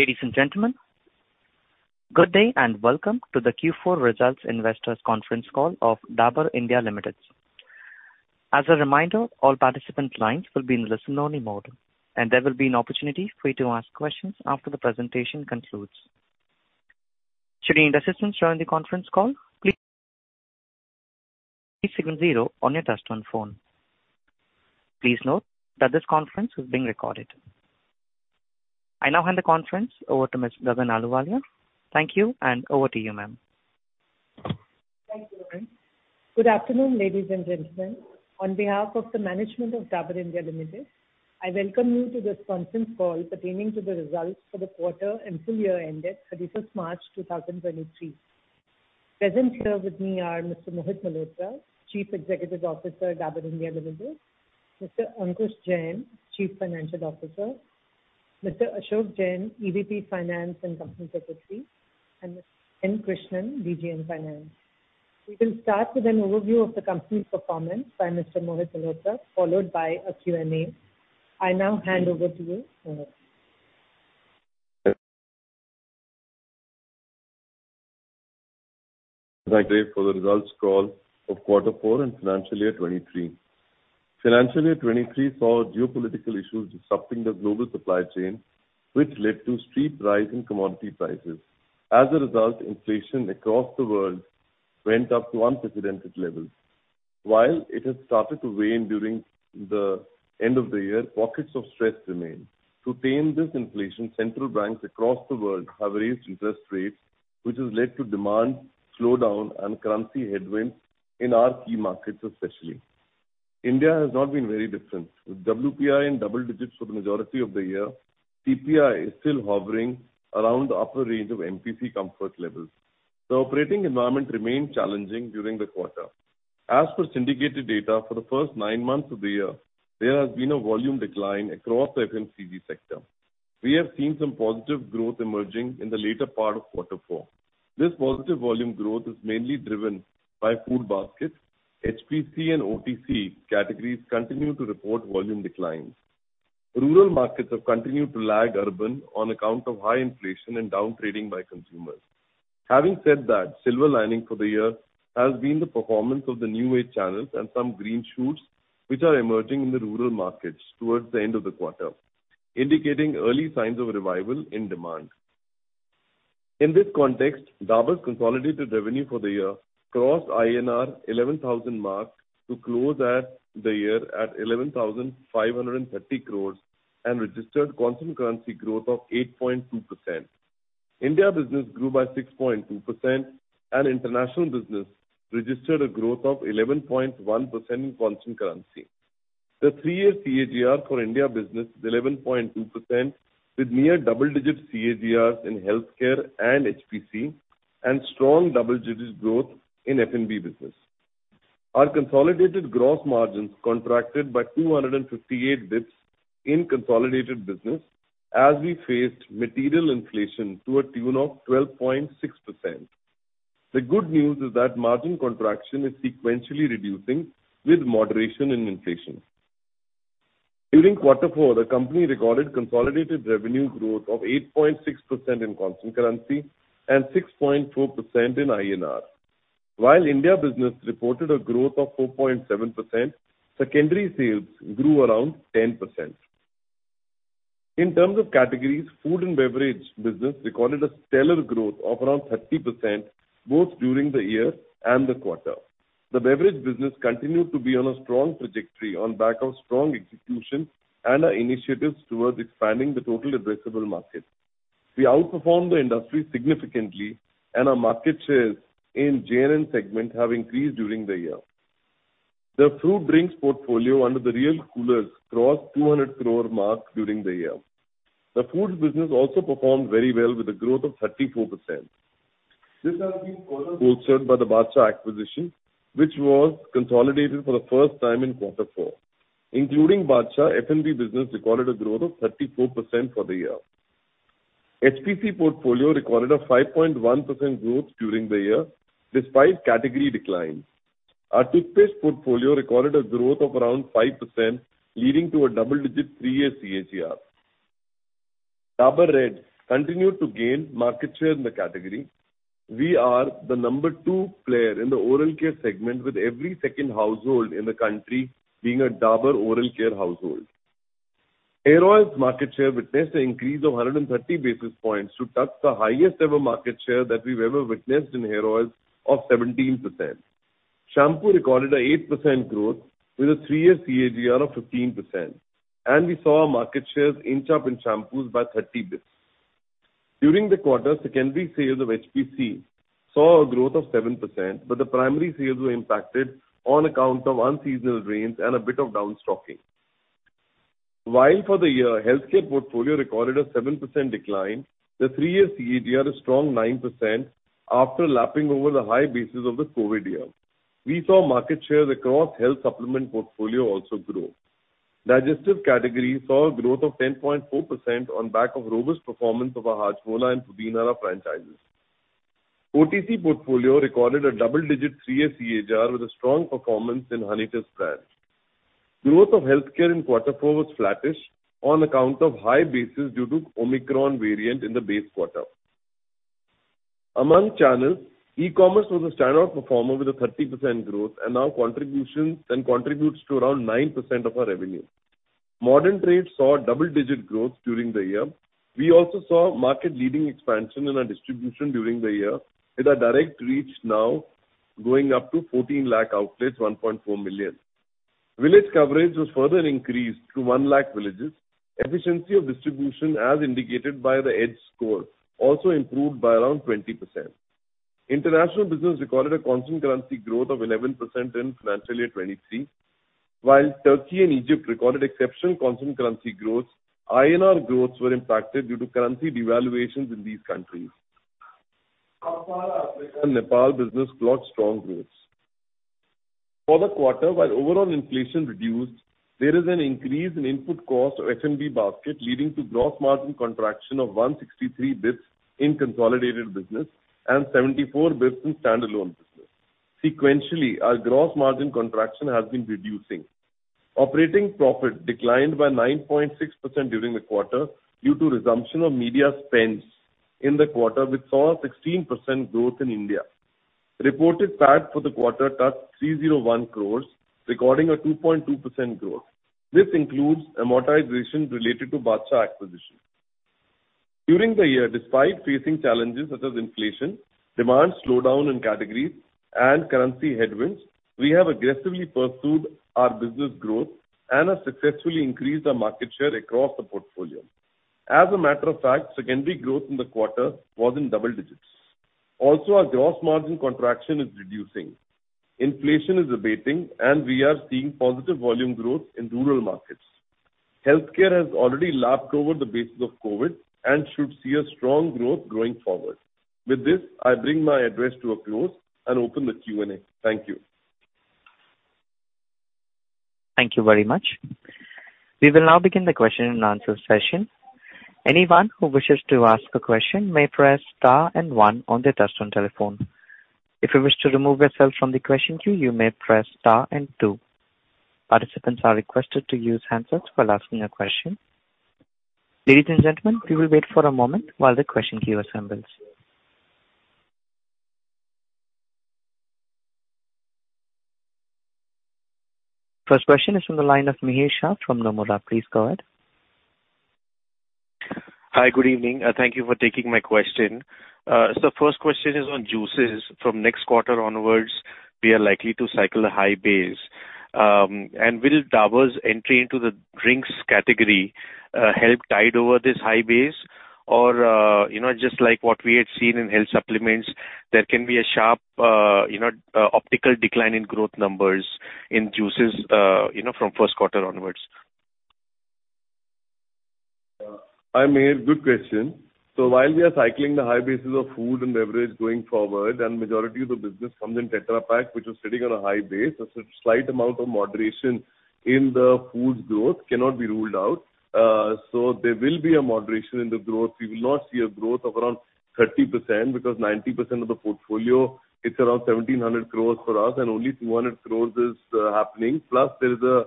Ladies and gentlemen, good day and welcome to the Q4 Results Investors' Conference Call of Dabur India Limited. As a reminder, all participant lines will be in listen-only mode, and there will be an opportunity for you to ask questions after the presentation concludes. Should you need assistance during the conference call, please 70 on your touchtone phone. Please note that this conference is being recorded. I now hand the conference over to Ms. Gargi Ahluwalia. Thank you, and over to you, ma'am. Thank you. Good afternoon, ladies and gentlemen. On behalf of the management of Dabur India Limited, I welcome you to this conference call pertaining to the results for the quarter and full year ended 31st March 2023. Present here with me are Mr. Mohit Malhotra, Chief Executive Officer at Dabur India Limited, Mr. Ankush Jain, Chief Financial Officer, Mr. Ashok Jain, EVP, Finance and Company Secretary, and Mr. N. Krishnan, DGM Finance. We will start with an overview of the company's performance by Mr. Mohit Malhotra, followed by a Q&A. I now hand over to you, Mohit. Thank you for the results call of quarter four and financial year 2023. Financial year 2023 saw geopolitical issues disrupting the global supply chain, which led to steep rise in commodity prices. Inflation across the world went up to unprecedented levels. While it has started to wane during the end of the year, pockets of stress remain. To tame this inflation, central banks across the world have raised interest rates, which has led to demand slowdown and currency headwinds in our key markets especially. India has not been very different. With WPI in double digits for the majority of the year, CPI is still hovering around the upper range of MPC comfort levels. The operating environment remained challenging during the quarter. As per syndicated data, for the first nine months of the year, there has been a volume decline across the FMCG sector. We have seen some positive growth emerging in the later part of quarter four. This positive volume growth is mainly driven by food baskets. HPC and OTC categories continue to report volume declines. Rural markets have continued to lag urban on account of high inflation and down-trading by consumers. Having said that, silver lining for the year has been the performance of the new age channels and some green shoots which are emerging in the rural markets towards the end of the quarter, indicating early signs of revival in demand. In this context, Dabur's consolidated revenue for the year crossed INR 11,000 mark to close at the year at 11,530 crores and registered constant currency growth of 8.2%. India business grew by 6.2% and international business registered a growth of 11.1% in constant currency. The three-year CAGR for India business is 11.2% with near double-digit CAGRs in health care and HPC and strong double-digit growth in F&B business. Our consolidated gross margins contracted by 258 basis points in consolidated business as we faced material inflation to a tune of 12.6%. The good news is that margin contraction is sequentially reducing with moderation in inflation. During quarter four, the company recorded consolidated revenue growth of 8.6% in constant currency and 6.4% in INR. While India business reported a growth of 4.7%, secondary sales grew around 10%. In terms of categories, food and beverage business recorded a stellar growth of around 30% both during the year and the quarter. The beverage business continued to be on a strong trajectory on back of strong execution and our initiatives towards expanding the total addressable market. We outperformed the industry significantly. Our market shares in J&N segment have increased during the year. The fruit drinks portfolio under the Réal Koolerz crossed 200 crore mark during the year. The Foods business also performed very well with a growth of 34%. This has been further bolstered by the Badshah acquisition, which was consolidated for the first time in quarter four. Including Badshah, F&B business recorded a growth of 34% for the year. HPC portfolio recorded a 5.1% growth during the year despite category declines. Our toothpaste portfolio recorded a growth of around 5%, leading to a double-digit three-year CAGR. Dabur Red continued to gain market share in the category. We are the number two player in the Oral Care segment, with every second household in the country being a Dabur Oral Care household. Hair Oils market share witnessed an increase of 130 basis points to touch the highest ever market share that we've ever witnessed in Hair Oils of 17%. Shampoo recorded an 8% growth with a three-year CAGR of 15%, we saw our market shares inch up in shampoos by 30 basis points. During the quarter, secondary sales of HPC saw a growth of 7%, the primary sales were impacted on account of unseasonal rains and a bit of downstocking. For the year, health care portfolio recorded a 7% decline, the three-year CAGR a strong 9% after lapping over the high basis of the COVID year. We saw market shares across health supplement portfolio also grow. Digestive category saw a growth of 10.4% on back of robust performance of our Hajmola and Pudina brands. OTC portfolio recorded a double-digit 3-year CAGR with a strong performance in Honitus brand. Growth of Healthcare in quarter four was flattish on account of high basis due to Omicron variant in the base quarter. Among channels, e-commerce was a standout performer with a 30% growth and now contributes to around 9% of our revenue. Modern trade saw double-digit growth during the year. We also saw market leading expansion in our distribution during the year, with our direct reach now going up to 14 lakh outlets, 1.4 million. Village coverage was further increased to 1 lakh villages. Efficiency of distribution, as indicated by the Edge score, also improved by around 20%. International business recorded a constant currency growth of 11% in financial year 2023. While Turkey and Egypt recorded exceptional constant currency growth, INR growths were impacted due to currency devaluations in these countries. South Africa and Nepal business clocked strong growth. For the quarter, while overall inflation reduced, there is an increase in input cost of F&B basket, leading to gross margin contraction of 163 basis points in consolidated business and 74 basis points in standalone business. Sequentially, our gross margin contraction has been reducing. Operating profit declined by 9.6% during the quarter due to resumption of media spends in the quarter, which saw a 16% growth in India. Reported PAT for the quarter touched 301 crores, recording a 2.2% growth. This includes amortization related to Badshah acquisition. During the year, despite facing challenges such as inflation, demand slowdown in categories, and currency headwinds, we have aggressively pursued our business growth and have successfully increased our market share across the portfolio. As a matter of fact, secondary growth in the quarter was in double digits. Also, our gross margin contraction is reducing. Inflation is abating, and we are seeing positive volume growth in rural markets. Healthcare has already lapped over the basis of COVID and should see a strong growth going forward. With this, I bring my address to a close and open the Q&A. Thank you. Thank you very much. We will now begin the question and answer session. Anyone who wishes to ask a question may press star and one on their touchtone telephone. If you wish to remove yourself from the question queue, you may press star and two. Participants are requested to use handsets while asking a question. Ladies and gentlemen, we will wait for a moment while the question queue assembles. First question is from the line of Mihir Shah from Nomura. Please go ahead. Hi. Good evening. Thank you for taking my question. First question is on juices. From next quarter onwards, we are likely to cycle a high base. Will Dabur's entry into the drinks category help tide over this high base? You know, just like what we had seen in health supplements, there can be a sharp, you know, optical decline in growth numbers in juices, you know, from first quarter onwards. Hi, Mihir. Good question. While we are cycling the high basis of food and beverage going forward, and majority of the business comes in Tetra Pak, which is sitting on a high base, a slight amount of moderation in the Foods growth cannot be ruled out. There will be a moderation in the growth. We will not see a growth of around 30% because 90% of the portfolio, it's around 1,700 crores for us, and only 200 crores is happening. Plus there's a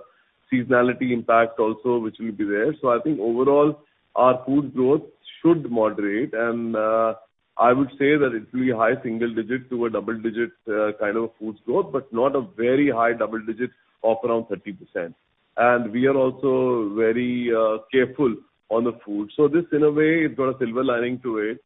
seasonality impact also which will be there. I think overall, our food growth should moderate. I would say that it's really high single digit to a double digit kind of a food growth, but not a very high double digit of around 30%. We are also very careful on the food. This, in a way, it's got a silver lining to it.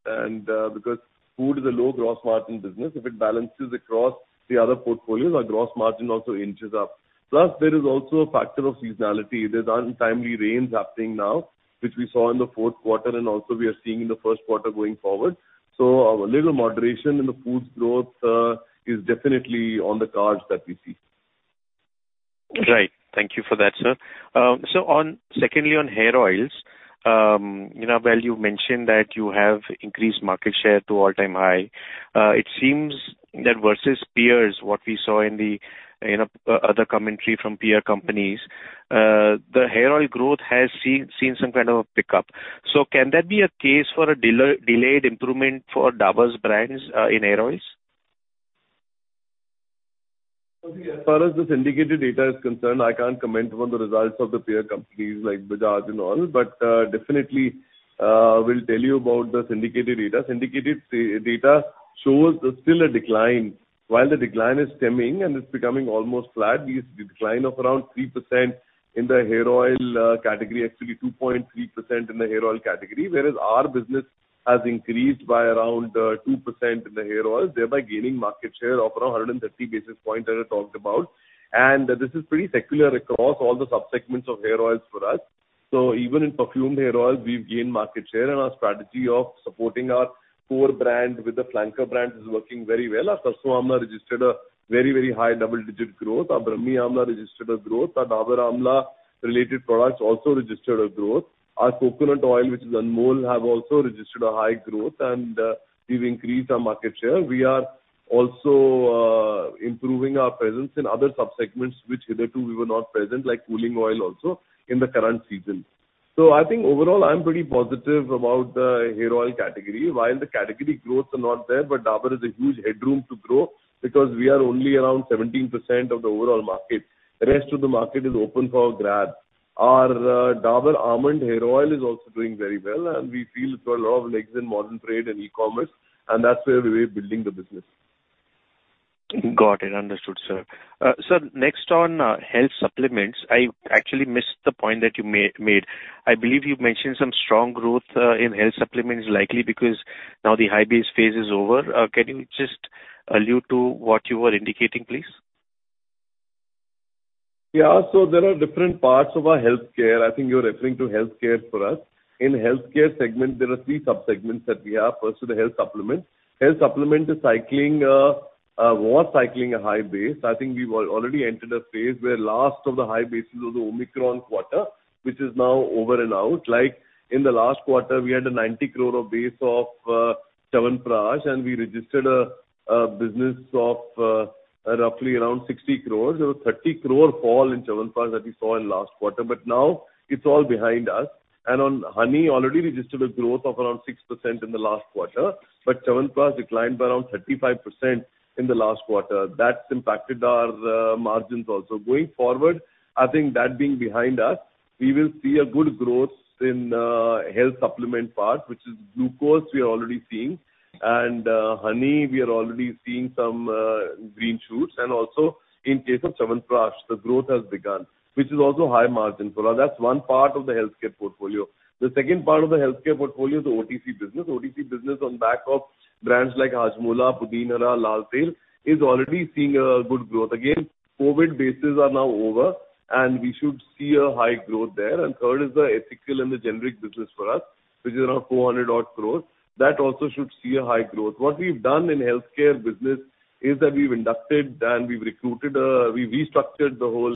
Because food is a low gross margin business, if it balances across the other portfolios, our gross margin also inches up. Plus, there is also a factor of seasonality. There's untimely rains happening now, which we saw in the fourth quarter and also we are seeing in the first quarter going forward. A little moderation in the Foods growth is definitely on the cards that we see. Right. Thank you for that, sir. Secondly, on Hair Oils, you know, well, you mentioned that you have increased market share to all-time high. It seems that versus peers, what we saw in the, you know, other commentary from peer companies, the hair oil growth has seen some kind of a pickup. Can that be a case for a delayed improvement for Dabur's brands, in Hair Oils? As far as the syndicated data is concerned, I can't comment on the results of the peer companies like Bajaj and all, but definitely we'll tell you about the syndicated data. Syndicated data shows there's still a decline. While the decline is stemming and it's becoming almost flat, we see decline of around 3% in the hair oil category, actually 2.3% in the Hair Oil category. Whereas our business has increased by around 2% in the Hair Oils, thereby gaining market share of around 130 basis points that I talked about. This is pretty secular across all the sub-segments of Hair Oils for us. Even in perfumed Hair Oils, we've gained market share, and our strategy of supporting our core brand with the flanker brand is working very well. Our Sarson Amla registered a very, very high double-digit growth. Our Brahmi Amla registered a growth. Our Dabur Amla related products also registered a growth. Our coconut oil, which is Anmol, have also registered a high growth. We've increased our market share. We are also improving our presence in other sub-segments which hitherto we were not present, like cooling oil also in the current season. I think overall I'm pretty positive about the Hair Oil category. While the category growths are not there, Dabur has a huge headroom to grow because we are only around 17% of the overall market. The rest of the market is open for grabs. Our Dabur Almond Hair Oil is also doing very well. We feel it's got a lot of legs in modern trade and e-commerce, and that's where we're building the business. Got it. Understood, sir. Sir, next on, Health Supplements. I actually missed the point that you made. I believe you mentioned some strong growth in Health Supplements likely because now the high base phase is over. Can you just allude to what you were indicating, please? There are different parts of our Healthcare. I think you're referring to Healthcare for us. In Healthcare segment, there are three sub-segments that we have. First is the Health Supplements. Health Supplement is cycling, was cycling a high base. I think we've already entered a phase where last of the high bases of the Omicron quarter, which is now over and out. In the last quarter, we had an 90 crore of base of Chyawanprash, and we registered a business of roughly around 60 crore. There was 30 crore fall in Chyawanprash that we saw in last quarter, but now it's all behind us. On honey, already registered a growth of around 6% in the last quarter. Chyawanprash declined by around 35% in the last quarter. That's impacted our margins also. Going forward, I think that being behind us, we will see a good growth in Health Supplement part, which is glucose we are already seeing. Honey we are already seeing some green shoots. In case of Chyawanprash, the growth has begun, which is also high margin for us. That's one part of the Healthcare portfolio. The second part of the Healthcare portfolio is the OTC business. OTC business on back of brands like Hajmola, Pudin Hara, Lal Tail is already seeing a good growth. COVID bases are now over, we should see a high growth there. Third is the ethical and the generic business for us, which is around 400 odd crores. That also should see a high growth. What we've done in Healthcare business is that we've inducted and we've recruited, we restructured the whole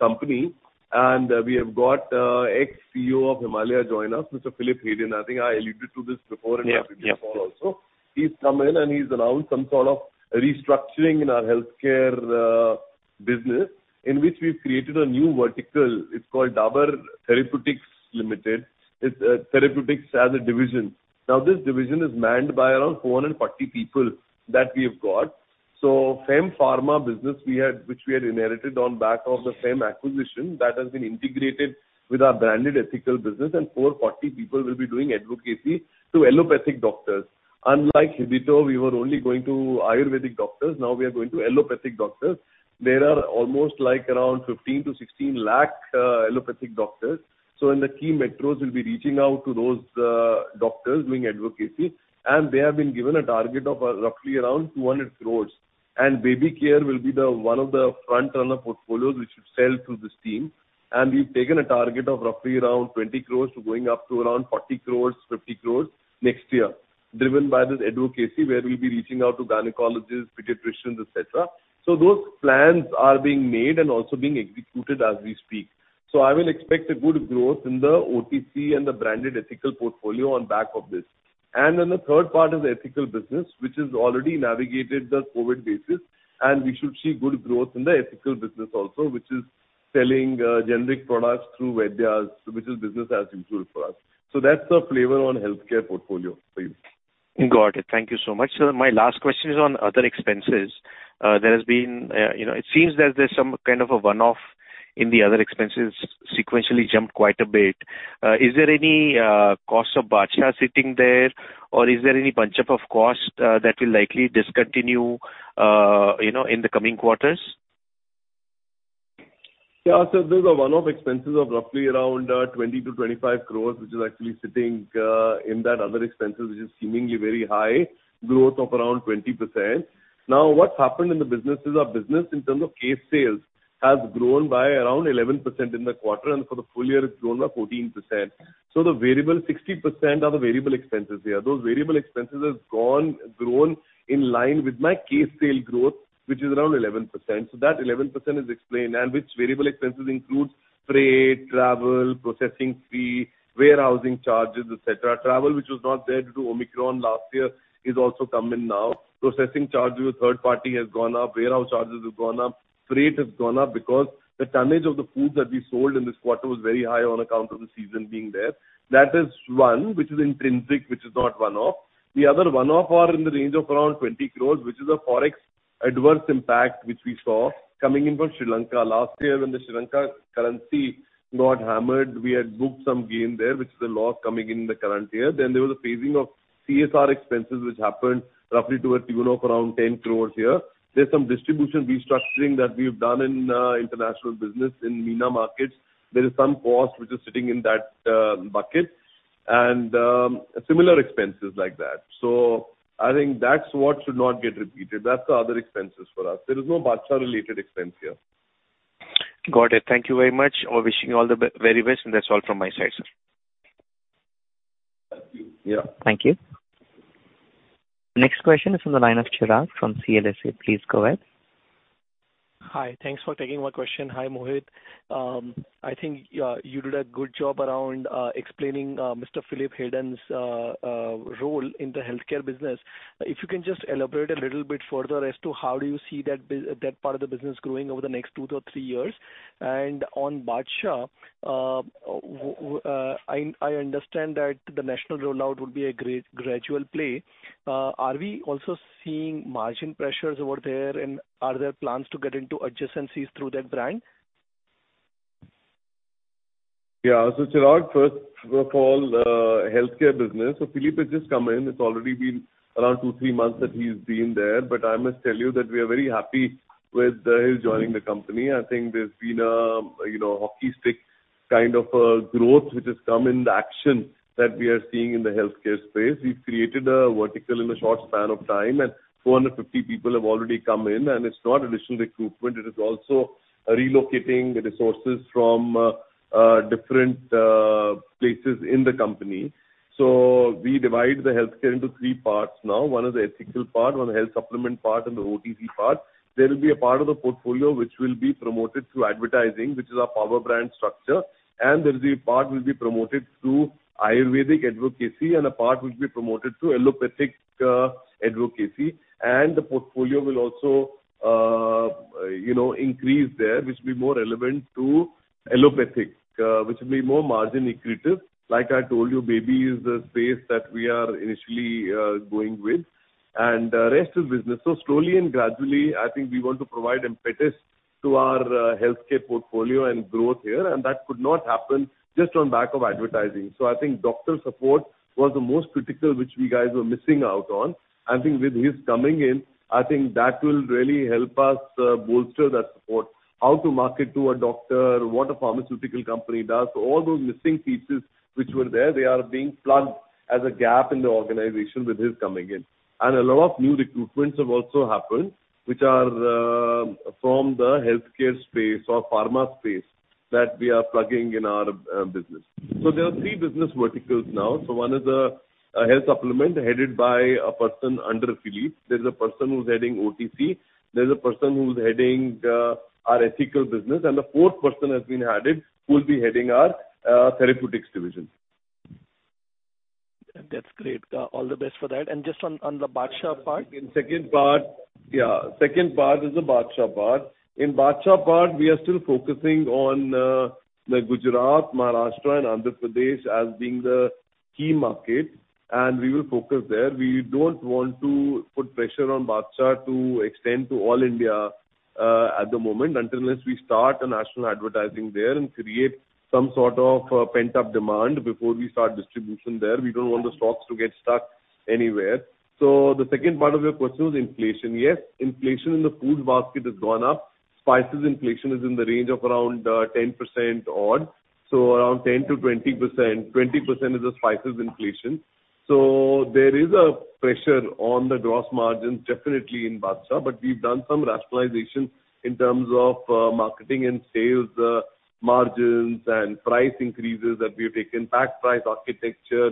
company, and we have got ex-CEO of Himalaya join us, Mr. Philipe Haydon. I think I alluded to this before. After the call also. He's come in, and he's announced some sort of restructuring in our Healthcare business, in which we've created a new vertical. It's called Dabur Therapeutics Limited. It's Therapeutics as a division. This division is manned by around 440 people that we have got. Fem Pharma business we had, which we had inherited on back of the Fem acquisition, that has been integrated with our branded Ethical business, and 440 people will be doing advocacy to allopathic doctors. Unlike hitherto, we were only going to Ayurvedic doctors, now we are going to allopathic doctors. There are almost like around 15-16 lakh allopathic doctors. In the key metros we'll be reaching out to those doctors doing advocacy. They have been given a target of roughly around 200 crore. Baby Care will be the one of the frontrunner portfolios which should sell through this team. We've taken a target of roughly around 20 crores to going up to around 40 crores-50 crores next year, driven by this advocacy where we'll be reaching out to gynecologists, pediatricians, et cetera. Those plans are being made and also being executed as we speak. I will expect a good growth in the OTC and the branded Ethical portfolio on back of this. The third part is ethical business, which has already navigated the COVID basis, and we should see good growth in the ethical business also, which is selling generic products through vaidyas, which is business as usual for us. That's the flavor on Healthcare portfolio for you. Got it. Thank you so much. Sir, my last question is on other expenses. There has been, you know, it seems that there's some kind of a one-off in the other expenses sequentially jumped quite a bit. Is there any cost of Badshah sitting there? Or is there any bunch up of cost that will likely discontinue, you know, in the coming quarters? There's a one-off expenses of roughly around 20 crores-25 crores, which is actually sitting in that other expenses, which is seemingly very high growth of around 20%. What's happened in the business is our business in terms of case sales has grown by around 11% in the quarter, and for the full year it's grown by 14%. The variable, 60% are the variable expenses here. Those variable expenses have grown in line with my case sale growth, which is around 11%. That 11% is explained. Which variable expenses includes freight, travel, processing fee, warehousing charges, et cetera. Travel, which was not there due to Omicron last year, is also coming now. Processing charges with third party has gone up, warehouse charges have gone up, freight has gone up because the tonnage of the Foods that we sold in this quarter was very high on account of the season being there. That is one, which is intrinsic, which is not one-off. The other one-off are in the range of around 20 crores, which is a Forex adverse impact which we saw coming in from Sri Lanka. Last year when the Sri Lanka currency got hammered, we had booked some gain there, which is a loss coming in the current year. There was a phasing of CSR expenses which happened roughly to a tune of around 10 crores here. There's some distribution restructuring that we've done in international business in MENA markets. There is some cost which is sitting in that bucket. Similar expenses like that. I think that's what should not get repeated. That's the other expenses for us. There is no Badshah related expense here. Got it. Thank you very much. We're wishing you all the very best. That's all from my side, sir. Thank you. Yeah. Thank you. Next question is from the line of Chirag from CLSA. Please go ahead. Hi. Thanks for taking my question. Hi, Mohit. I think you did a good job around explaining Mr. Philipe Haydon's role in the Healthcare business. If you can just elaborate a little bit further as to how do you see that part of the business growing over the next two to three years? On Badshah, I understand that the national rollout will be a gradual play. Are we also seeing margin pressures over there, and are there plans to get into adjacencies through that brand? Chirag, first of all, Healthcare business. Philipe has just come in. It's already been around two, three months that he's been there, but I must tell you that we are very happy with his joining the company. I think there's been a, you know, hockey stick kind of a growth which has come in the action that we are seeing in the Healthcare space. We've created a vertical in a short span of time, and 450 people have already come in, and it's not additional recruitment. It is also relocating the resources from different places in the company. We divide the Healthcare into three parts now. One is the Ethical part, one Health Supplement part and the OTC part. There will be a part of the portfolio which will be promoted through advertising, which is our power brand structure. There will be a part will be promoted through ayurvedic advocacy. A part will be promoted through allopathic advocacy. The portfolio will also increase there, which will be more relevant to allopathic, which will be more margin accretive. Like I told you, Baby is the space that we are initially going with. Rest is business. Slowly and gradually, I think we want to provide impetus to our Healthcare portfolio and growth here. That could not happen just on back of advertising. I think doctor support was the most critical, which we guys were missing out on. I think with his coming in, I think that will really help us bolster that support. How to market to a doctor, what a pharmaceutical company does, all those missing pieces which were there, they are being plugged as a gap in the organization with his coming in. A lot of new recruitments have also happened, which are from the Healthcare space or pharma space that we are plugging in our business. There are three business verticals now. One is a health supplement headed by a person under Philipe. There's a person who's heading OTC. There's a person who's heading our ethical business, and a fourth person has been added who will be heading our therapeutics division. That's great. All the best for that. Just on the Badshah part. In second part, second part is the Badshah part. In Badshah part, we are still focusing on the Gujarat, Maharashtra and Andhra Pradesh as being the key markets, we will focus there. We don't want to put pressure on Badshah to extend to all India at the moment until unless we start a national advertising there and create some sort of a pent-up demand before we start distribution there. We don't want the stocks to get stuck anywhere. The second part of your question was inflation. Yes, inflation in the Foods basket has gone up. Spices inflation is in the range of around 10% odd, around 10%-20%. 20% is the spices inflation. There is a pressure on the gross margins definitely in Badshah, but we've done some rationalization in terms of marketing and sales margins and price increases that we have taken. Pack price architecture,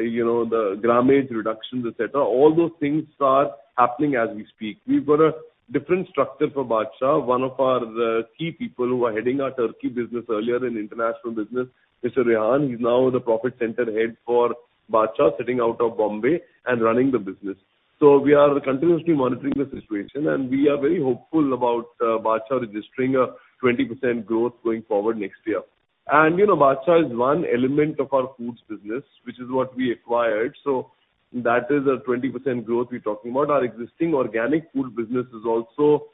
you know, the grammage reductions, et cetera, all those things are happening as we speak. We've got a different structure for Badshah. One of our key people who were heading our turkey business earlier in international business, Mr. Rehan, he's now the Profit Center Head for Badshah, sitting out of Bombay and running the business. We are continuously monitoring the situation, and we are very hopeful about Badshah registering a 20% growth going forward next year. You know, Badshah is one element of our Foods business, which is what we acquired. That is a 20% growth we're talking about. Our existing organic food business is also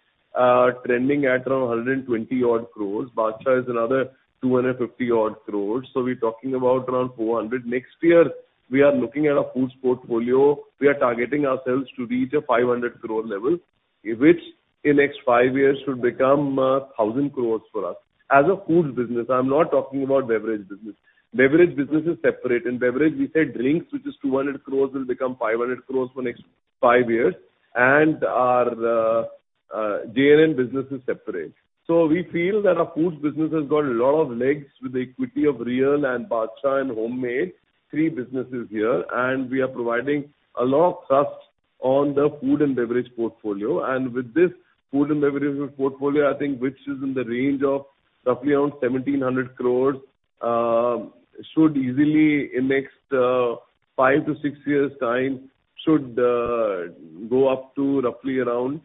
trending at around 120 odd crores. Badshah is another 250 odd crores. We're talking about around 400. Next year, we are looking at our Foods portfolio. We are targeting ourselves to reach a 500 crore level, which in next five years should become 1,000 crores for us. As a Foods business, I'm not talking about beverage business. Beverage business is separate. In beverage, we said drinks, which is 200 crores, will become 500 crores for next five years. Our J&N business is separate. We feel that our Foods business has got a lot of legs with the equity of Réal and Badshah and Hommade, three businesses here, and we are providing a lot of thrust on the Food and Beverage portfolio. With this Food and Beverage portfolio, I think, which is in the range of roughly around 1,700 crore, should easily in next five to six years' time should go up to roughly around.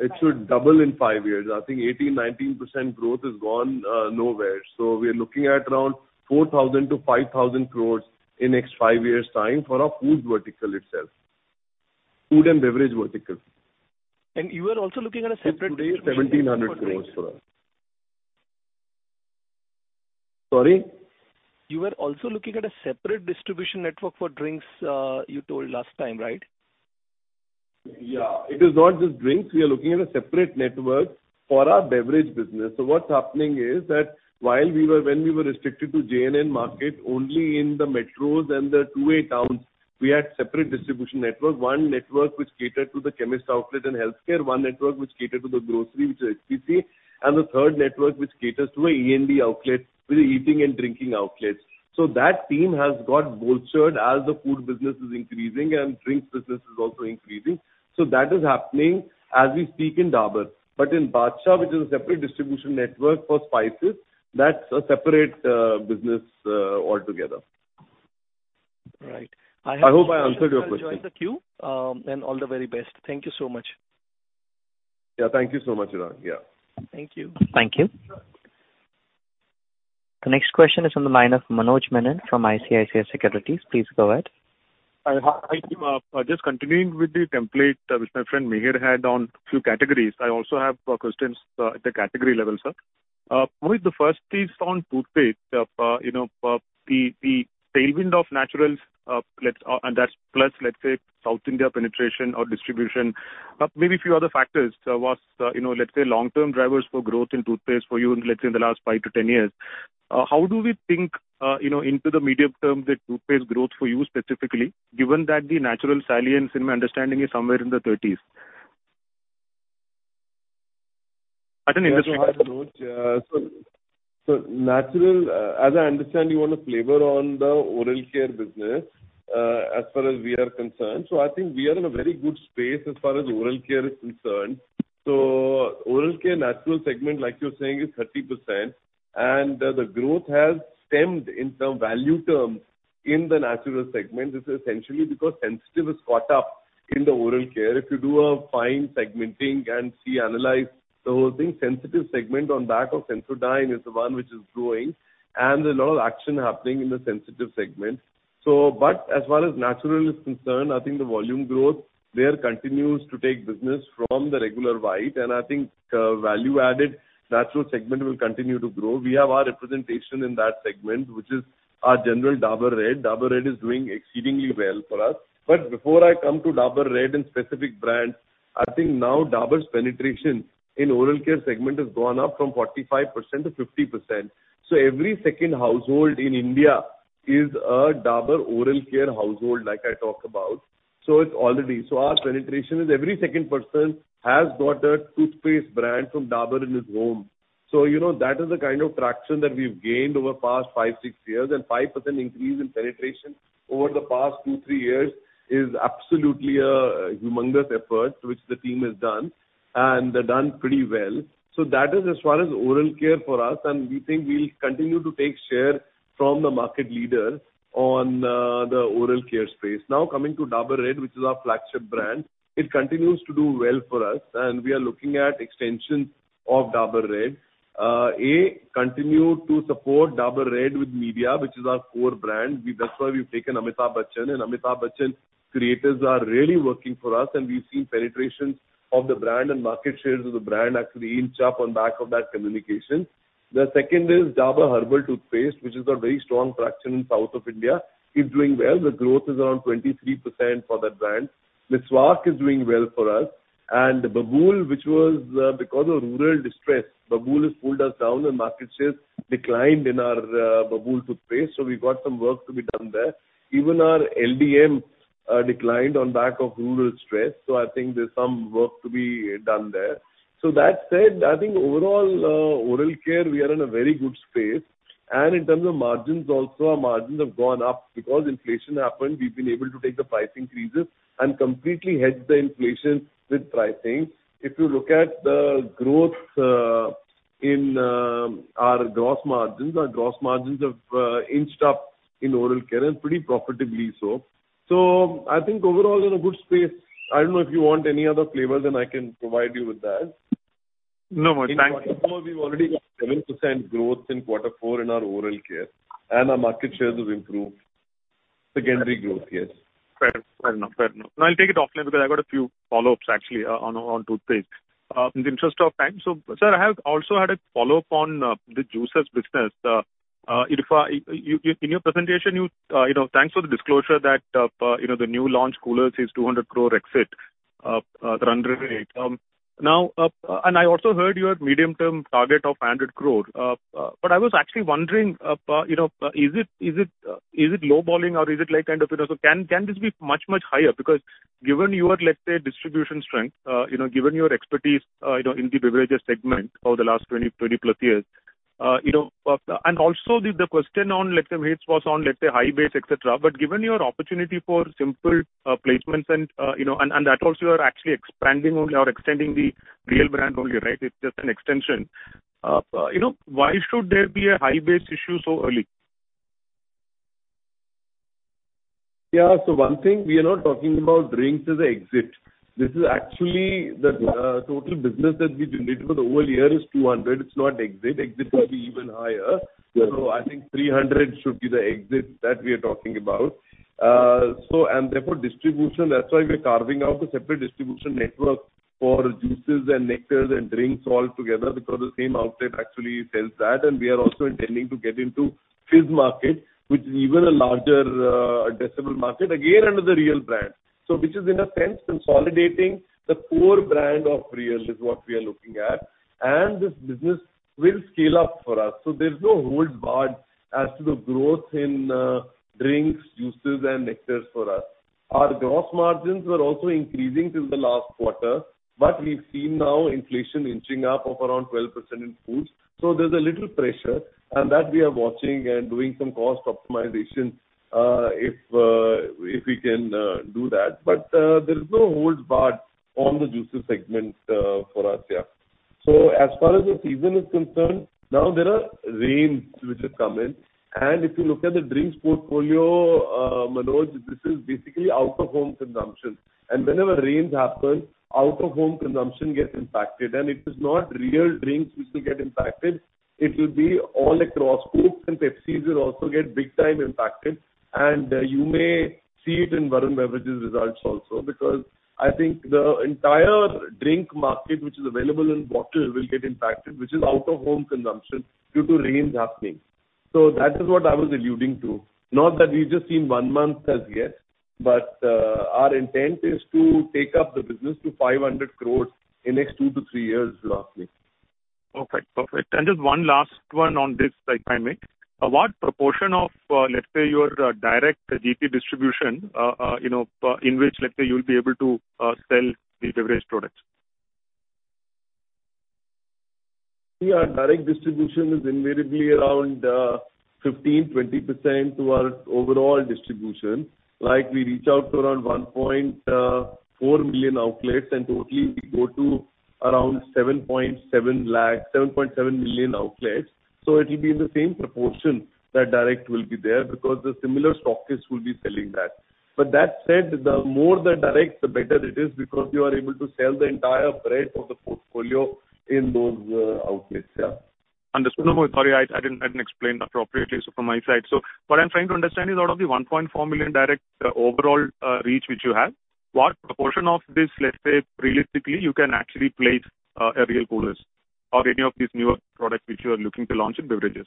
It should double in five years. It should double in five years. I think 18%-19% growth has gone nowhere. We are looking at around 4,000 crores to 5,000 crores in next five years' time for our Foods vertical itself. Food and beverage vertical, which today is INR 1,700 crores for us. Sorry? You were also looking at a separate distribution network for drinks, you told last time, right? Yeah. It is not just drinks. We are looking at a separate network for our beverage business. What's happening is that when we were restricted to J&N market only in the metros and the two-way towns, we had separate distribution network. One network which catered to the chemist outlet and Healthcare, one network which catered to the grocery, which is HPC, and the third network which caters to a E&D outlet with eating and drinking outlets. That team has got bolstered as the food business is increasing and drinks business is also increasing. That is happening as we speak in Dabur. In Badshah, which is a separate distribution network for spices, that's a separate business altogether. Right. I hope I answered your question. You can join the queue, and all the very best. Thank you so much. Yeah, thank you so much, Chirag. Yeah. Thank you. Thank you. The next question is on the line of Manoj Menon from ICICI Securities. Please go ahead. Hi. Just continuing with the template, which my friend Mihir had on few categories. I also have questions at the category level, sir. Manoj, the first is on toothpaste. You know, the tailwind of Naturals, let's say South India penetration or distribution. Maybe a few other factors, was, you know, let's say long-term drivers for growth in toothpaste for you in, let's say in the last five to 10 years. How do we think, you know, into the medium term, the toothpaste growth for you specifically, given that the Natural salience in my understanding is somewhere in the 30s? At an industry level. Menoj. Natural, as I understand, you want a flavor on the Oral Care business, as far as we are concerned. I think we are in a very good space as far as Oral Care is concerned. Oral Care Natural segment, like you're saying, is 30%, and the growth has stemmed in the value terms in the Natural segment. This is essentially because sensitive is caught up in the Oral Care. If you do a fine segmenting and see, analyze the whole thing, Sensitive segment on back of Sensodyne is the one which is growing, and there's a lot of action happening in the Sensitive segment. But as far as Natural is concerned, I think the volume growth there continues to take business from the regular white, and I think value-added Natural segment will continue to grow. We have our representation in that segment, which is our general Dabur Red. Dabur Red is doing exceedingly well for us. Before I come to Dabur Red and specific brands, I think now Dabur's penetration in Oral Care segment has gone up from 45% to 50%. Every second household in India is a Dabur Oral Care household like I talk about. Our penetration is every second person has got a toothpaste brand from Dabur in his home. You know, that is the kind of traction that we've gained over past five, six years. 5% increase in penetration over the past two, three years is absolutely a humongous effort which the team has done, and they've done pretty well. That is as far as Oral Care for us, and we think we'll continue to take share from the market leader on the Oral Care space. Coming to Dabur Red, which is our flagship brand, it continues to do well for us, and we are looking at extensions of Dabur Red. Continue to support Dabur Red with media, which is our core brand. We, that's why we've taken Amitabh Bachchan. Amitabh Bachchan creators are really working for us, and we've seen penetration of the brand and market shares of the brand actually inch up on back of that communication. The second is Dabur Herbal Toothpaste, which has got very strong traction in South of India. It's doing well. The growth is around 23% for that brand. Meswak is doing well for us. Babool, which was, because of rural distress, Babool has pulled us down, and market shares declined in our Babool toothpaste, so we've got some work to be done there. Even our LDM, declined on back of rural stress, so I think there's some work to be done there. That said, I think overall, Oral Care, we are in a very good space. In terms of margins also, our margins have gone up. Because inflation happened, we've been able to take the price increases and completely hedge the inflation with pricing. If you look at the growth, in our gross margins, our gross margins have inched up in Oral Care and pretty profitably so. I think overall in a good space. I don't know if you want any other flavor, then I can provide you with that. No, no. Thank you. In quarter four, we've already got 7% growth in quarter four in our Oral Care, and our market shares have improved secondary growth. Yes. Fair enough. Fair enough. No, I'll take it offline because I've got a few follow-ups actually on toothpaste. In the interest of time. Sir, I have also had a follow-up on the juices business. If you in your presentation, you know, thanks for the disclosure that, you know, the new launch Réal Koolerz is 200 crore exit run rate. Now, I also heard you had medium-term target of 100 crore. I was actually wondering, you know, is it low balling or is it like kind of, you know? Can this be much higher? Given your, let's say, distribution strength, you know, given your expertise, you know, in the Beverages segment over the last 20+ years, you know. Also the question on, let's say, rates was on, let's say, high base, et cetera. Given your opportunity for simple, placements and, you know, and that also you are actually expanding only or extending the Réal brand only, right? It's just an extension. You know, why should there be a high base issue so early? Yeah. One thing, we are not talking about drinks as a exit. This is actually the total business that we did for the whole year is 200. It's not exit. Exit will be even higher. I think 300 should be the exit that we are talking about. Therefore distribution, that's why we are carving out a separate distribution network for juices and nectars and drinks all together because the same outlet actually sells that. We are also intending to get into fizz market, which is even a larger addressable market, again, under the Réal brand. Which is in a sense consolidating the core brand of Réal is what we are looking at. This business will scale up for us. There's no hold barred as to the growth in drinks, juices, and nectars for us. Our gross margins were also increasing since the last quarter, we've seen now inflation inching up of around 12% in Foods. There's a little pressure, and that we are watching and doing some cost optimization, if we can do that. There is no hold barred on the juices segment for us. Yeah. As far as the season is concerned, now there are rains which have come in, and if you look at the drinks portfolio, Manoj, this is basically out of home consumption. Whenever rains happen, out of home consumption gets impacted. It is not Réal drinks which will get impacted. It will be all across Cokes and Pepsis will also get big time impacted. You may see it in Varun Beverages results also, because I think the entire drink market which is available in bottle will get impacted, which is out of home consumption due to rains happening. That is what I was alluding to. Not that we've just seen one month as yet, but, our intent is to take up the business to 500 crores in next two or three years roughly. Okay. Perfect. Just one last one on this, if I may. What proportion of let's say your direct GP distribution, you know, in which let's say you'll be able to sell the beverage products? Our direct distribution is invariably around 15%, 20% to our overall distribution. We reach out to around 1.4 million outlets, and totally we go to around 7.7 million outlets. It'll be the same proportion that direct will be there because the similar stockists will be selling that. That said, the more the direct, the better it is because you are able to sell the entire breadth of the portfolio in those outlets. Yeah. Understood. Sorry, I didn't explain appropriately from my side. What I'm trying to understand is out of the 1.4 million direct overall reach which you have, what proportion of this, let's say realistically you can actually place a Réal Koolerz or any of these newer products which you are looking to launch in Beverages?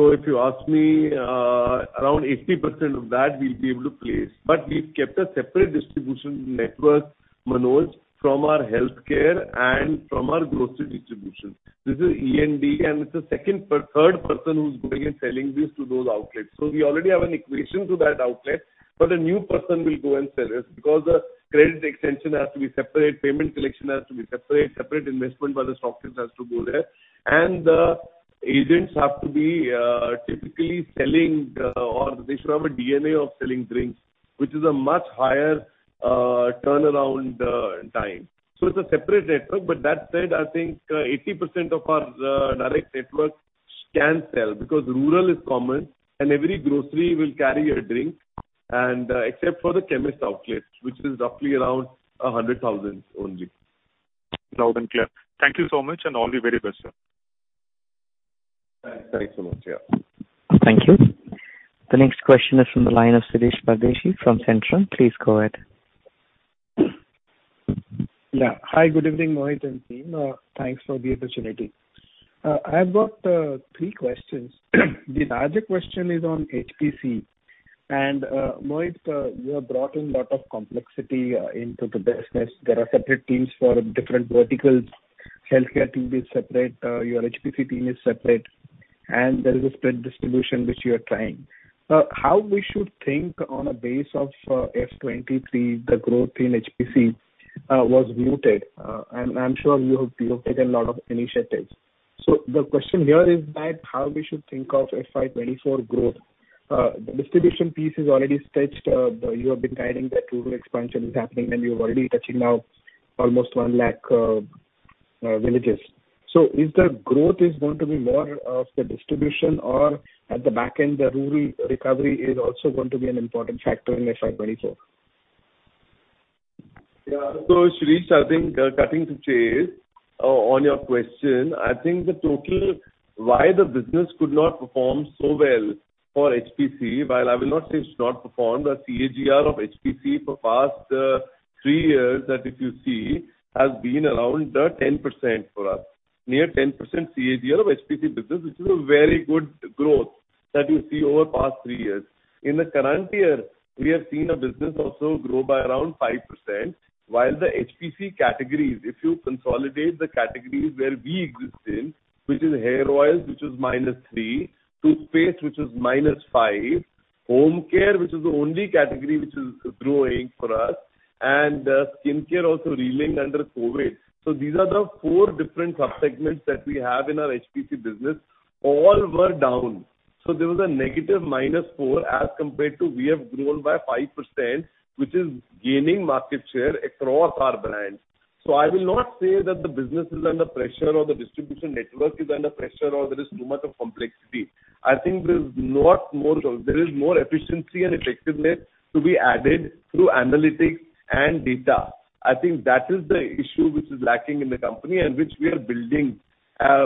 If you ask me, around 80% of that we'll be able to place. We've kept a separate distribution network, Manoj, from our Healthcare and from our grocery distribution. This is E&D, and it's the third person who's going and selling this to those outlets. We already have an equation to that outlet, but a new person will go and sell this because the credit extension has to be separate, payment collection has to be separate investment by the stockists has to go there. The agents have to be typically selling, or they should have a DNA of selling drinks, which is a much higher turnaround time. It's a separate network. That said, I think 80% of our direct network can sell because rural is common and every grocery will carry a drink and, except for the chemist outlets, which is roughly around 100,000 only. Loud and clear. Thank you so much and all the very best, sir. Thanks so much. Yeah. Thank you. The next question is from the line of Shirish Pardeshi from Centrum. Please go ahead. Yeah. Hi. Good evening, Mohit and team. Thanks for the opportunity. I've got 3 questions. The larger question is on HPC. Mohit, you have brought in lot of complexity into the business. There are separate teams for different verticals. Healthcare team is separate, your HPC team is separate, and there is a spread distribution which you are trying. How we should think on a base of FY 2023, the growth in HPC was muted. I'm sure you have taken a lot of initiatives. The question here is that how we should think of FY 2024 growth. The distribution piece is already stretched. You have been guiding that rural expansion is happening, and you're already touching now almost 1 lakh villages. is the growth is going to be more of the distribution or at the back end, the rural recovery is also going to be an important factor in FY 2024? Yeah. Shirish, I think cutting to chase on your question, I think the total why the business could not perform so well for HPC, while I will not say it's not performed, the CAGR of HPC for past 3 years that if you see has been around 10% for us. Near 10% CAGR of HPC business, which is a very good growth that you see over past three years. In the current year, we have seen the business also grow by around 5%. While the HPC categories, if you consolidate the categories where we exist in, which is Hair Oils, which is -3%, toothpaste which is -5%, Home Care which is the only category which is growing for us, and skincare also reeling under COVID. These are the four different subsegments that we have in our HPC business. All were down. There was a negative -4% as compared to we have grown by 5%, which is gaining market share across our brands. I will not say that the business is under pressure or the distribution network is under pressure or there is too much of complexity. I think there is more efficiency and effectiveness to be added through analytics and data. I think that is the issue which is lacking in the company and which we are building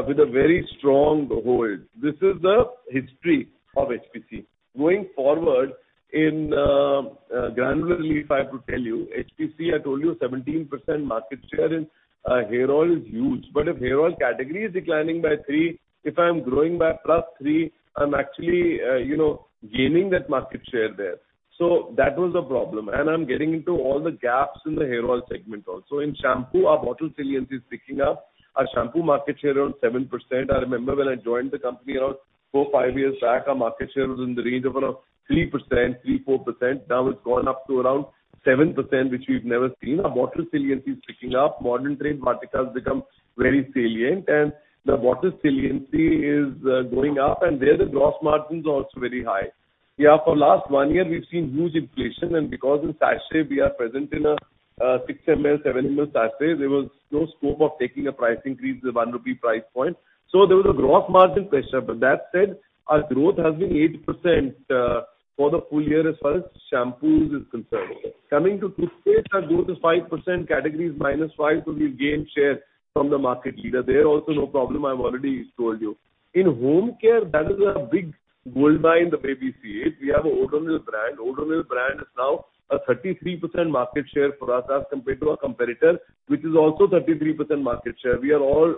with a very strong hold. This is the history of HPC. Going forward in granularly, if I have to tell you, HPC, I told you 17% market share in hair oil is huge. If hair oil category is declining by 3%, if I'm growing by +3%, I'm actually, you know, gaining that market share there. That was the problem. I'm getting into all the gaps in the hair oil segment also. In shampoo, our bottle saliency is picking up. Our shampoo market share around 7%. I remember when I joined the company around four, five years back, our market share was in the range of around 3%, 3%, 4%. Now it's gone up to around 7%, which we've never seen. Our bottle saliency is picking up. Modern trade basket has become very salient. The bottle saliency is going up, and there the gross margin is also very high. For last one year we've seen huge inflation, and because in sachet we are present in a 6 ml, 7 ml sachet, there was no scope of taking a price increase of 1 rupee price point. There was a gross margin pressure. That said, our growth has been 8% for the full year as far as shampoos is concerned. Coming to toothpaste, our growth is 5%, category is -5%, we've gained share from the market leader. There also no problem, I've already told you. In Home Care, that is a big goldmine the way we see it. We have a Odonil brand. Odonil brand is now a 33% market share for us as compared to our competitor, which is also 33% market share. We are all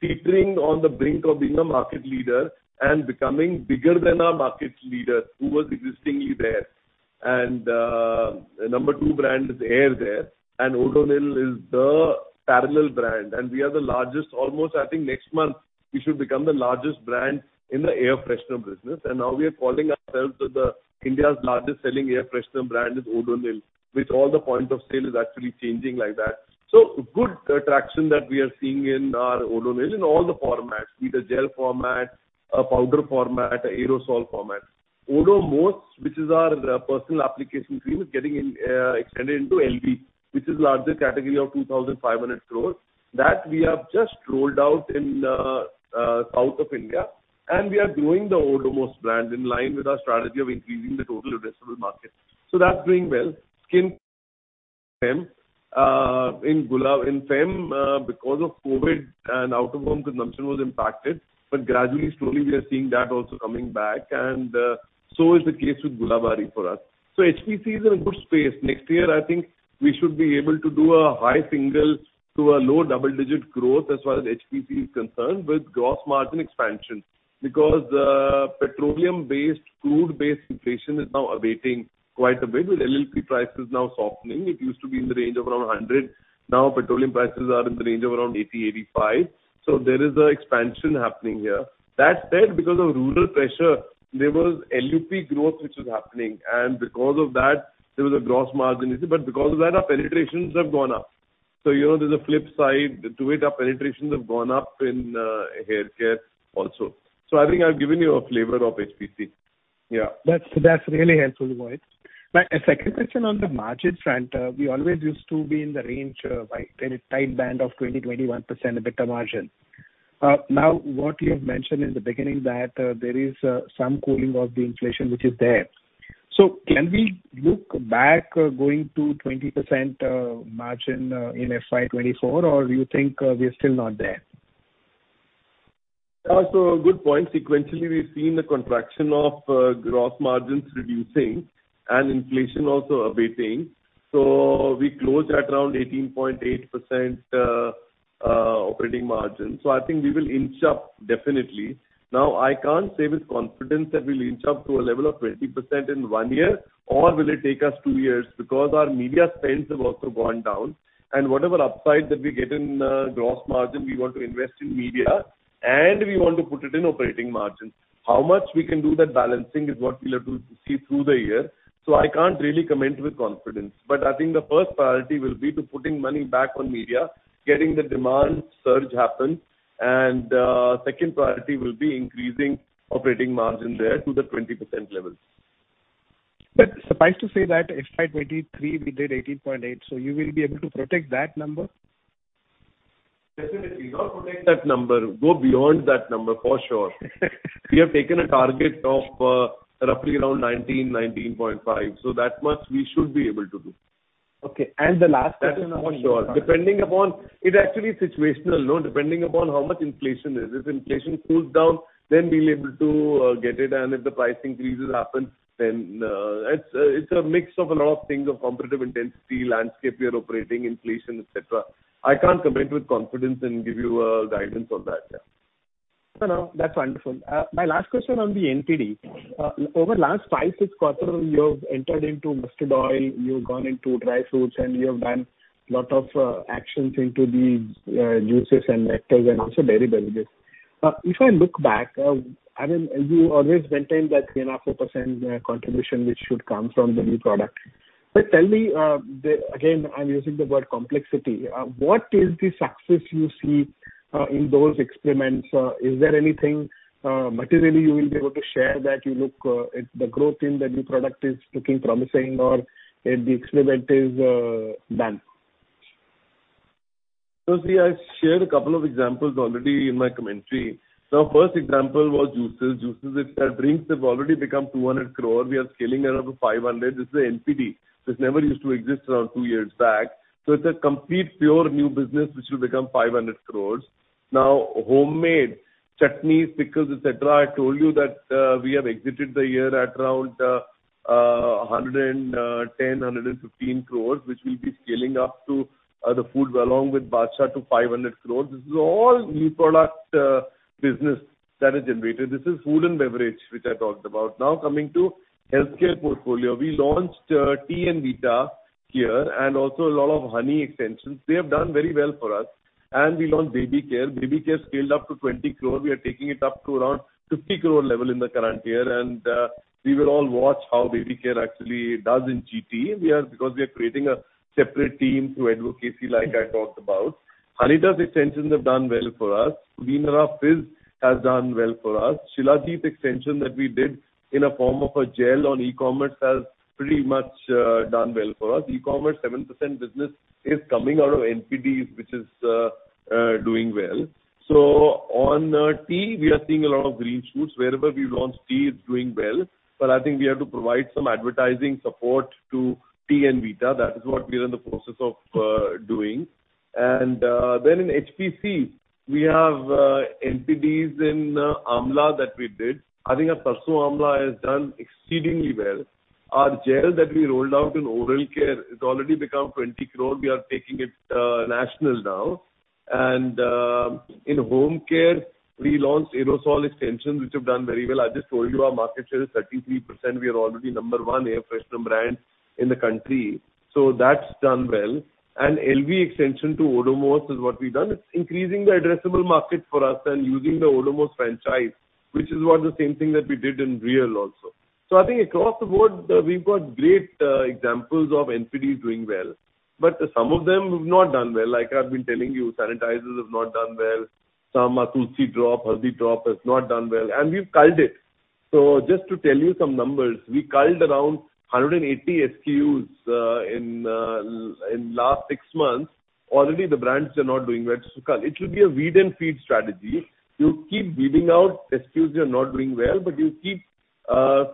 already teetering on the brink of being a market leader and becoming bigger than our market leader who was existingly there. Number two brand is Aer there, Odonil is the parallel brand, we are the largest. Almost I think next month we should become the largest brand in the Air Freshener business. Now we are calling ourselves that the India's largest selling air freshener brand is Odonil, which all the point of sale is actually changing like that. Good traction that we are seeing in our Odonil in all the formats, be it a gel format, a powder format, aerosol format. Odomos, which is our personal application cream, is getting extended into LV, which is larger category of 2,500 crores. That we have just rolled out in south of India. We are growing the Odomos brand in line with our strategy of increasing the total addressable market. That's doing well. Skin Fem. In Fem, because of COVID and out-of-home consumption was impacted, but gradually, slowly we are seeing that also coming back and so is the case with Gulabari for us. HPC is in a good space. Next year, I think we should be able to do a high single- to a low double-digit growth as far as HPC is concerned with gross margin expansion. Because petroleum-based, crude-based inflation is now abating quite a bit with LLP prices now softening. It used to be in the range of around 100. Now petroleum prices are in the range of around 80-85. There is a expansion happening here. That said, because of rural pressure, there was LUP growth which was happening and because of that there was a gross margin. Because of that our penetrations have gone up. You know, there's a flip side to it. Our penetrations have gone up in Hair Care also. I think I've given you a flavor of HPC. Yeah. That's really helpful, Mohit. My second question on the margin front. We always used to be in the range of like very tight band of 20%-21% EBITDA margin. Now what you have mentioned in the beginning that there is some cooling of the inflation which is there. Can we look back going to 20% margin in FY 2024 or you think we are still not there? Good point. Sequentially we've seen the contraction of gross margins reducing and inflation also abating. We closed at around 18.8% operating margin. I think we will inch up definitely. Now, I can't say with confidence that we'll inch up to a level of 20% in one year, or will it take us two years, because our media spends have also gone down. Whatever upside that we get in gross margin, we want to invest in media, and we want to put it in operating margin. How much we can do that balancing is what we'll have to see through the year. I can't really comment with confidence. I think the first priority will be to putting money back on media, getting the demand surge happen. Second priority will be increasing operating margin there to the 20% level. Suffice to say that FY 2023 we did 18.8%. You will be able to protect that number? Definitely. Not protect that number. Go beyond that number for sure. We have taken a target of roughly around 19.5%. That much we should be able to do. For sure. It actually situational, no. Depending upon how much inflation is. If inflation cools down, then we'll able to get it, and if the price increases happen, then. It's a mix of a lot of things, of competitive intensity, landscape we are operating, inflation, et cetera. I can't commit with confidence and give you a guidance on that. Yeah. No, no. That's wonderful. My last question on the NPD. Over last five, six quarter, you have entered into mustard oil, you've gone into dry fruits, and you have done lot of actions into the juices and nectars and also dairy Beverages. If I look back, I mean, you always maintained that 3.5%-4% contribution which should come from the new product. Tell me, Again, I'm using the word complexity. What is the success you see in those experiments? Is there anything materially you will be able to share that you look at the growth in the new product is looking promising or if the experiment is done? See, I've shared a couple examples already in my commentary. The first example was juices. Juices, if their drinks have already become 200 crore, we are scaling it up to 500 crore. This is a NPD. This never used to exist around 2 years back. It's a complete pure new business which will become 500 crore. Now, Hommade chutneys, pickles, et cetera, I told you that we have exited the year at around 110 crore-115 crore, which will be scaling up to the Foods along with Badshah to 500 crore. This is all new product business that is generated. This is Food and Beverage which I talked about. Now coming to Healthcare portfolio. We launched Tea and Vita here and also a lot of honey extensions. They have done very well for us. We launched Baby Care. Baby Care scaled up to 20 crore. We are taking it up to around 50 crore level in the current year, and we will all watch how Baby Care actually does in GT. Because we are creating a separate team through advocacy, like I talked about. Hajmola's extensions have done well for us. Pudina Hara fizz has done well for us. Shilajit extension that we did in a form of a gel on e-commerce has pretty much done well for us. E-commerce 7% business is coming out of NPDs, which is doing well. On Tea, we are seeing a lot of green shoots. Wherever we've launched tea, it's doing well, but I think we have to provide some advertising support to tea and Vita. That is what we are in the process of, doing. In HPC, we have NPDs in Amla that we did. I think our Sarson Amla has done exceedingly well. Our gel that we rolled out in Oral Care, it's already become 20 crore. We are taking it national now. In Home Care, we launched aerosol extensions, which have done very well. I just told you our market share is 33%. We are already number one air freshener brand in the country. That's done well. LV extension to Odomos is what we've done. It's increasing the addressable market for us and using the Odomos franchise, which is what the same thing that we did in Réal also. I think across the board, we've got great examples of NPD doing well. Some of them have not done well. Like I've been telling you, sanitizers have not done well. Some Tulsi Drops, Haldi Drops has not done well, and we've culled it. Just to tell you some numbers, we culled around 180 SKUs in last six months. Already the brands are not doing well, just to cut. It should be a weed and feed strategy. You keep weeding out SKUs that are not doing well, but you keep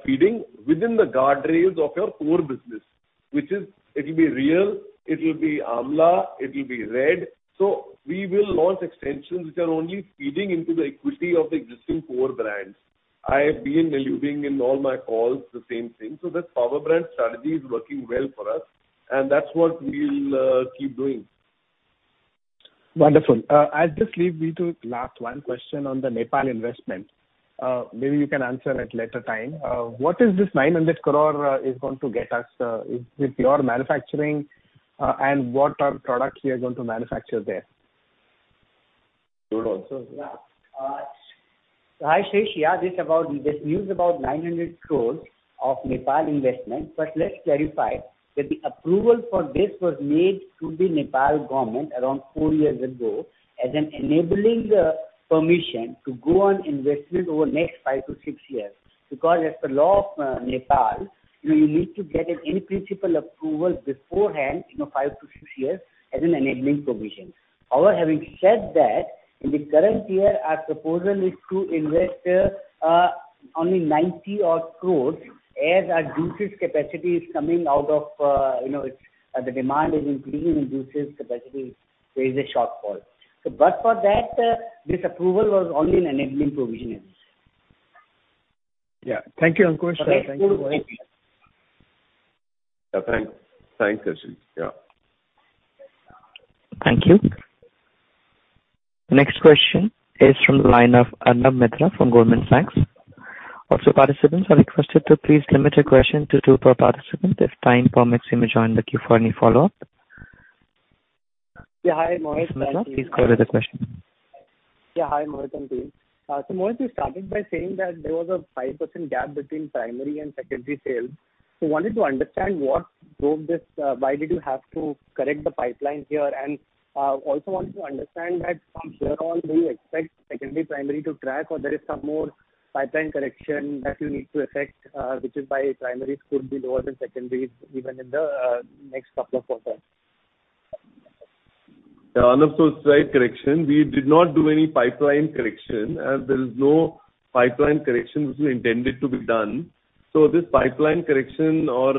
feeding within the guardrails of your core business, which is it'll be Réal, it'll be Amla, it'll be Red. We will launch extensions which are only feeding into the equity of the existing core brands. I've been alluding in all my calls the same thing. This power brand strategy is working well for us, and that's what we'll keep doing. Wonderful. I'll just leave you to last one question on the Nepal investment. Maybe you can answer at later time. What is this 900 crore is going to get us? Is it pure manufacturing? What are products we are going to manufacture there? Sure. Also, yeah. Hi, Shirish. Yeah, just about this news about 900 crores of Nepal investment. Let's clarify that the approval for this was made to the Nepal government around four years ago as an enabling permission to go on investment over next five to six years. As per law of Nepal, you know, you need to get an in-principle approval beforehand, you know, five to six years as an enabling provision. However, having said that, in the current year, our proposal is to invest only 90 odd crores as our juices capacity is coming out of, you know, the demand is increasing in juices capacity. There is a shortfall. For that, this approval was only an enabling provision only. Yeah. Thank you, Ankush. Thank you very much. Yeah. Thanks. Thanks, Shirish. Yeah. Thank you. Next question is from the line of Arnab Mitra from Goldman Sachs. Also, participants, I request you to please limit your question to two per participant. If time permits, you may join the queue for any follow-up. Yeah. Hi, Mohit. Arnab Mitra, please go ahead with the question. Hi, Mohit and team. Mohit, you started by saying that there was a 5% gap between primary and secondary sales. Wanted to understand what drove this. Why did you have to correct the pipeline here? Also wanted to understand that from here on, do you expect secondary, primary to track, or there is some more pipeline correction that you need to effect, which is why primaries could be lower than secondaries even in the next couple of quarters? Arnab, so it's the right correction. We did not do any pipeline correction, and there is no pipeline correction which is intended to be done. This pipeline correction or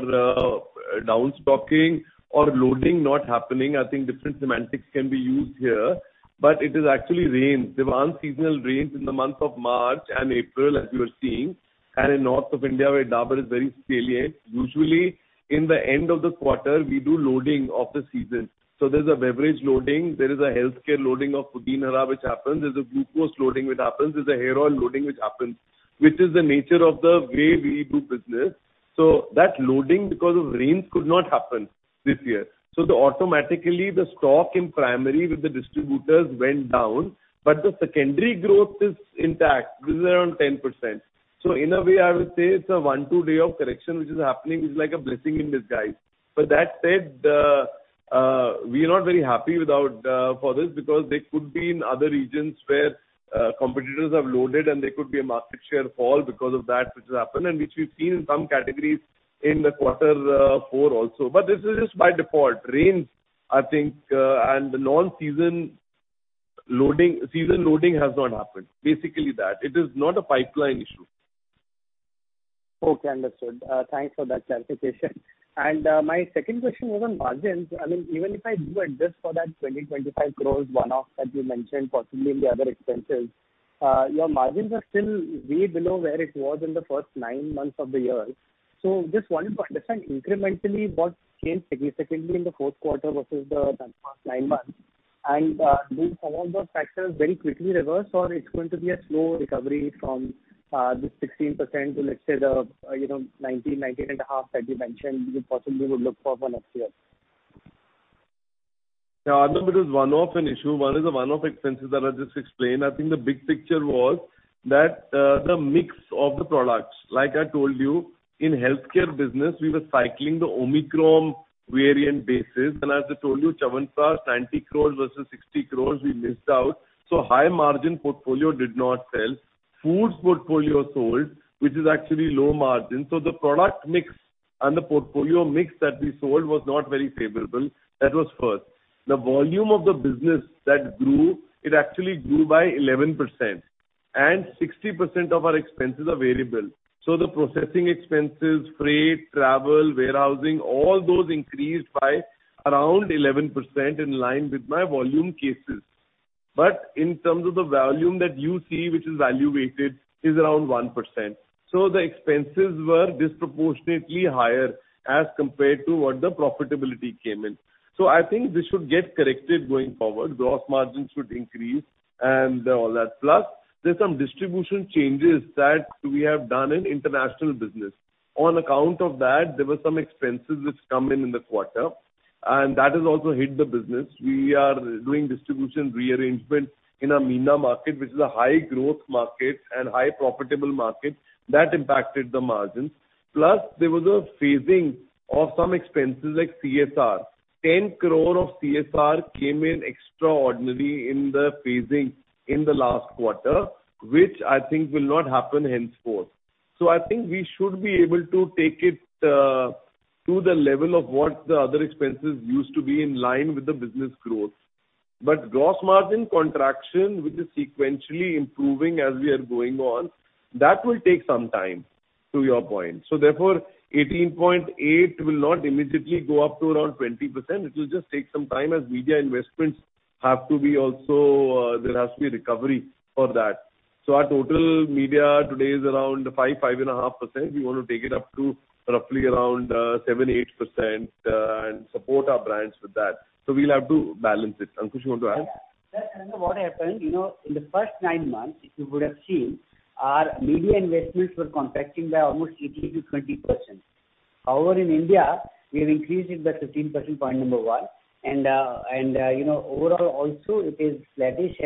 downstocking or loading not happening, I think different semantics can be used here, but it is actually rains. Demand seasonal rains in the month of March and April, as you were seeing, and in north of India, where Dabur is very salient. Usually in the end of the quarter, we do loading of the season. There's a beverage loading, there is a Healthcare loading of Pudin Hara which happens. There's a glucose loading which happens. There's a Hair Oil loading which happens, which is the nature of the way we do business. That loading, because of rains, could not happen this year. The automatically the stock in primary with the distributors went down, but the secondary growth is intact. This is around 10%. In a way, I would say it's a one to twos day of correction which is happening. It's like a blessing in disguise. That said, we are not very happy without for this because there could be in other regions where competitors have loaded and there could be a market share fall because of that which has happened and which we've seen in some categories in the quarter four also. This is just by default. Rains, I think, and non-season loading, season loading has not happened. Basically that. It is not a pipeline issue. Okay, understood. Thanks for that clarification. My second question was on margins. I mean, even if I do adjust for that 20- 25 crore one-off that you mentioned possibly in the other expenses, your margins are still way below where it was in the first nine months of the year. Just wanted to understand incrementally what changed significantly in the fourth quarter versus the past nine months. Will some of those factors very quickly reverse, or it's going to be a slow recovery from this 16% to, let's say, the, you know, 19%-19.5% that you mentioned you possibly would look for for next year? Yeah, Arnab, it is one-off an issue. One is the one-off expenses that I just explained. I think the big picture was that, the mix of the products. Like I told you, in Healthcare business we were cycling the Omicron variant basis. As I told you, Chyawanprash 90 crores versus 60 crores we missed out, so high margin portfolio did not sell. Foods portfolio sold, which is actually low margin. The product mix and the portfolio mix that we sold was not very favorable. That was first. The volume of the business that grew, it actually grew by 11%. 60% of our expenses are variable. The processing expenses, freight, travel, warehousing, all those increased by around 11% in line with my volume cases. But in terms of the volume that you see, which is value-weighted, is around 1%. The expenses were disproportionately higher as compared to what the profitability came in. I think this should get corrected going forward. Gross margins should increase and all that. There's some distribution changes that we have done in international business. On account of that, there were some expenses which come in in the quarter, and that has also hit the business. We are doing distribution rearrangement in our MENA market, which is a high growth market and high profitable market. That impacted the margins. There was a phasing of some expenses like CSR. 10 crore of CSR came in extraordinary in the phasing in the last quarter, which I think will not happen henceforth. I think we should be able to take it to the level of what the other expenses used to be in line with the business growth. Gross margin contraction, which is sequentially improving as we are going on, that will take some time, to your point. Therefore, 18.8% will not immediately go up to around 20%. It will just take some time as media investments have to be also, there has to be recovery for that. Our total media today is around 5%-5.5%. We want to take it up to roughly around 7%-8%, and support our brands with that. We'll have to balance it. Ankush, you want to add? Yes. What happened, you know, in the first nine months, if you would have seen, our media investments were contracting by almost 18%-20%. However, in India we have increased it by 15%, point number one. You know, overall also it is flattish,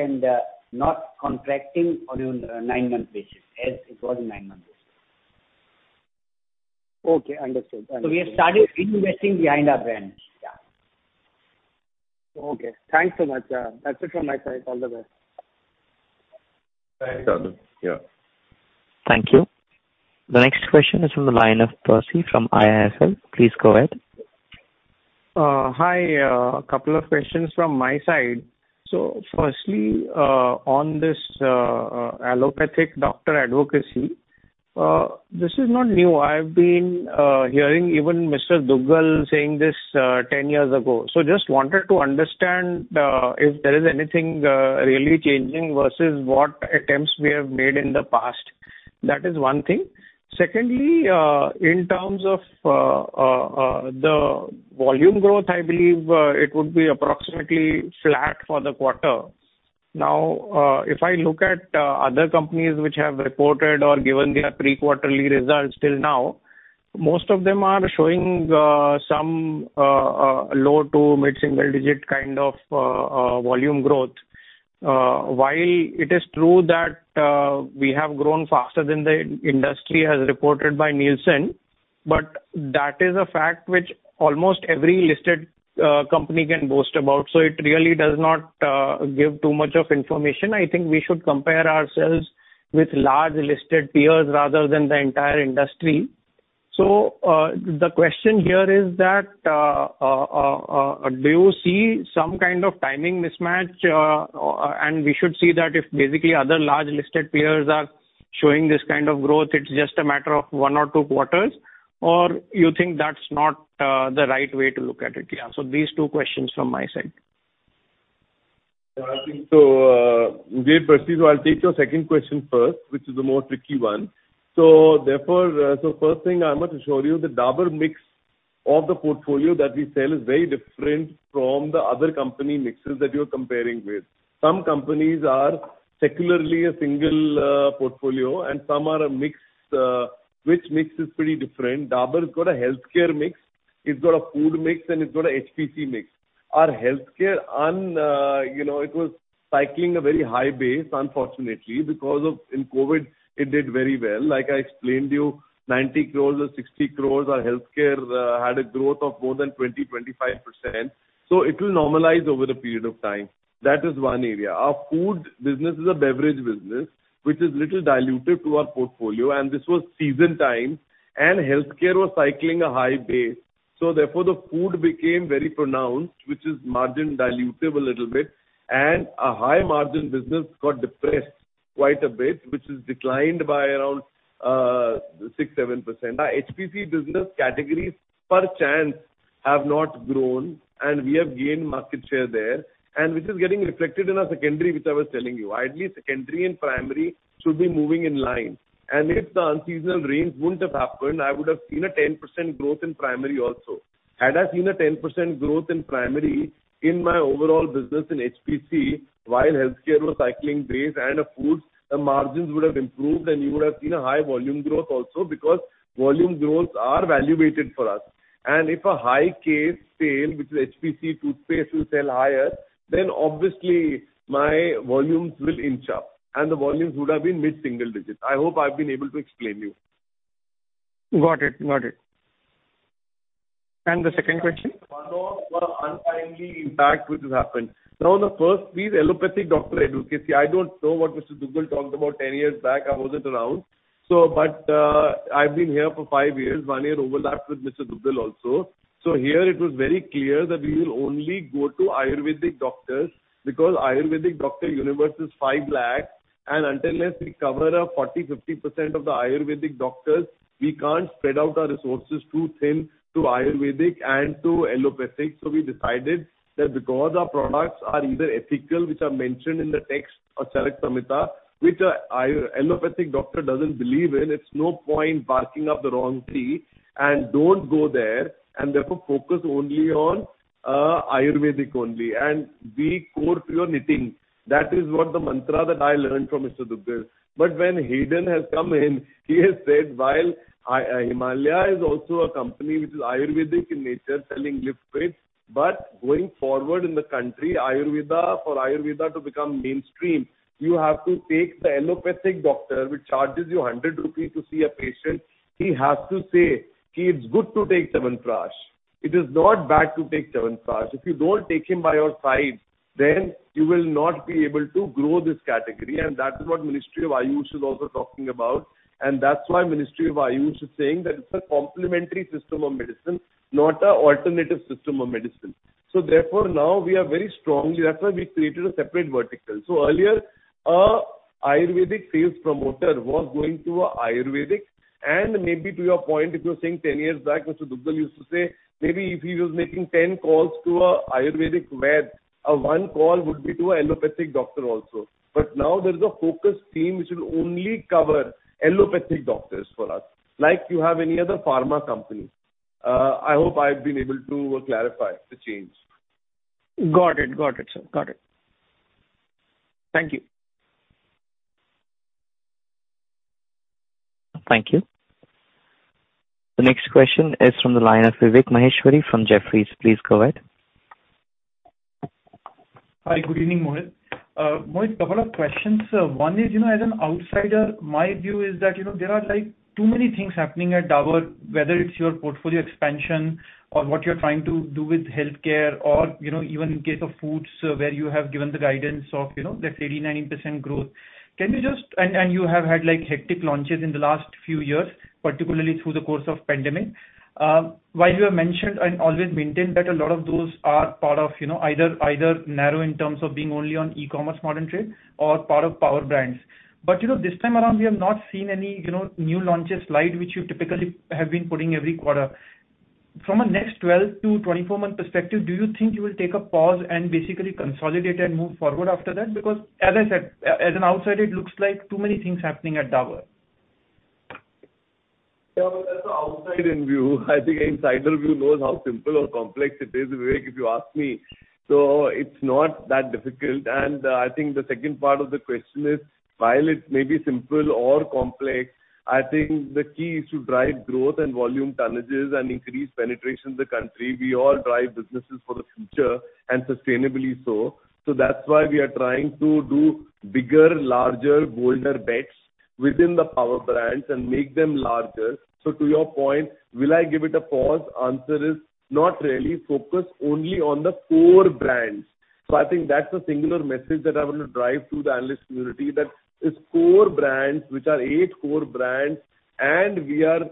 not contracting on a nine-month basis as it was nine months ago. Okay, understood. We have started reinvesting behind our brands. Yeah. Okay, thanks so much. That's it from my side. All the best. Thanks. Yeah. Thank you. The next question is from the line of Percy from IIFL. Please go ahead. Hi. Couple of questions from my side. Firstly, on this, allopathic doctor advocacy, this is not new. I've been hearing even Mr. Duggal saying this 10 years ago. Just wanted to understand if there is anything really changing versus what attempts we have made in the past. That is one thing. Secondly, in terms of the volume growth, I believe it would be approximately flat for the quarter. If I look at other companies which have reported or given their pre-quarterly results till now, most of them are showing some low to mid-single digit kind of volume growth. While it is true that we have grown faster than the industry as reported by Nielsen, but that is a fact which almost every listed company can boast about. It really does not give too much of information. I think we should compare ourselves with large listed peers rather than the entire industry. The question here is that do you see some kind of timing mismatch? We should see that if basically other large listed peers are showing this kind of growth, it's just a matter of one or two quarters. You think that's not the right way to look at it? Yeah. These two questions from my side. I think so, great, Percy. I'll take your second question first, which is the more tricky one. First thing I must assure you, the Dabur mix of the portfolio that we sell is very different from the other company mixes that you're comparing with. Some companies are secularly a single portfolio and some are a mixed, which mix is pretty different. Dabur's got a Healthcare mix, it's got a food mix, and it's got a HPC mix. Our Healthcare and, you know, it was cycling a very high base, unfortunately, because of in COVID, it did very well. Like I explained to you, 90 crores or 60 crores, our Healthcare had a growth of more than 20%-25%, so it will normalize over a period of time. That is one area. Our food business is a beverage business which is little diluted to our portfolio, and this was season time and Healthcare was cycling a high base. Therefore, the food became very pronounced, which is margin dilutive a little bit, and our high margin business got depressed quite a bit, which is declined by around 6-7%. Our HPC business categories per chance have not grown and we have gained market share there, and which is getting reflected in our secondary, which I was telling you. Ideally, secondary and primary should be moving in line. If the unseasonal rains wouldn't have happened, I would have seen a 10% growth in primary also. Had I seen a 10% growth in primary in my overall business in HPC while Healthcare was cycling base and of Foods, the margins would have improved and you would have seen a high volume growth also because volume growths are value weighted for us. If a high K sale, which is HPC toothpaste will sell higher, then obviously my volumes will inch up and the volumes would have been mid-single digits. I hope I've been able to explain you. Got it. The second question? One more for untimely impact, which has happened. The first, please, allopathic doctor advocacy. I don't know what Mr. Duggal talked about 10 years back. I wasn't around, but I've been here for five years. One year overlapped with Mr. Duggal also. Here it was very clear that we will only go to ayurvedic doctors because ayurvedic doctor universe is 5 lakh and until unless we cover up 40%, 50% of the ayurvedic doctors, we can't spread out our resources too thin to ayurvedic and to allopathic. We decided that because our products are either ethical, which are mentioned in the text of Charak Samhita, which a allopathic doctor doesn't believe in, it's no point barking up the wrong tree and don't go there and therefore focus only on ayurvedic only and be core to your knitting. That is what the mantra that I learned from Mr. Duggal. When Haydon has come in, he has said, while Himalaya is also a company which is ayurvedic in nature, selling Lip Cares, but going forward in the country ayurveda, for ayurveda to become mainstream, you have to take the allopathic doctor, which charges you 100 rupees to see a patient. He has to say, "It's good to take Chyawanprash. It is not bad to take Chyawanprash." If you don't take him by your side, then you will not be able to grow this category. That is what Ministry of Ayush is also talking about. That's why Ministry of Ayush is saying that it's a complementary system of medicine, not a alternative system of medicine. Therefore now we are very strongly. That's why we created a separate vertical. Earlier, a ayurvedic sales promoter was going to a Ayurvedic and maybe to your point, if you're saying 10 years back, Mr. Duggal used to say maybe if he was making 10 calls to a ayurvedic med, one call would be to a allopathic doctor also. Now there is a focus team which will only cover allopathic doctors for us, like you have any other pharma company. I hope I've been able to clarify the change. Got it. Got it, sir. Got it. Thank you. Thank you. The next question is from the line of Vivek Maheshwari from Jefferies. Please go ahead. Hi. Good evening, Mohit. A couple of questions. One is, you know, as an outsider, my view is that, you know, there are, like, too many things happening at Dabur, whether it's your portfolio expansion or what you're trying to do with Healthcare or, you know, even in case of Foods where you have given the guidance of, you know, that's 80%-90% growth. Can you just. You have had, like, hectic launches in the last few years, particularly through the course of pandemic. While you have mentioned and always maintained that a lot of those are part of, you know, either narrow in terms of being only on e-commerce modern trade or part of power brands. You know, this time around we have not seen any, you know, new launches slide, which you typically have been putting every quarter. From a next 12 to 24 month perspective, do you think you will take a pause and basically consolidate and move forward after that? As I said, as an outsider, it looks like too many things happening at Dabur. Yeah. That's the outside in view. I think insider view knows how simple or complex it is, Vivek, if you ask me. It's not that difficult. I think the second part of the question is, while it may be simple or complex, I think the key is to drive growth and volume tonnages and increase penetration in the country. We all drive businesses for the future and sustainably so. That's why we are trying to do bigger, larger, bolder bets within the power brands and make them larger. To your point, will I give it a pause? Answer is not really. Focus only on the core brands. I think that's the singular message that I want to drive to the analyst community. That is core brands, which are 8 core brands, and we are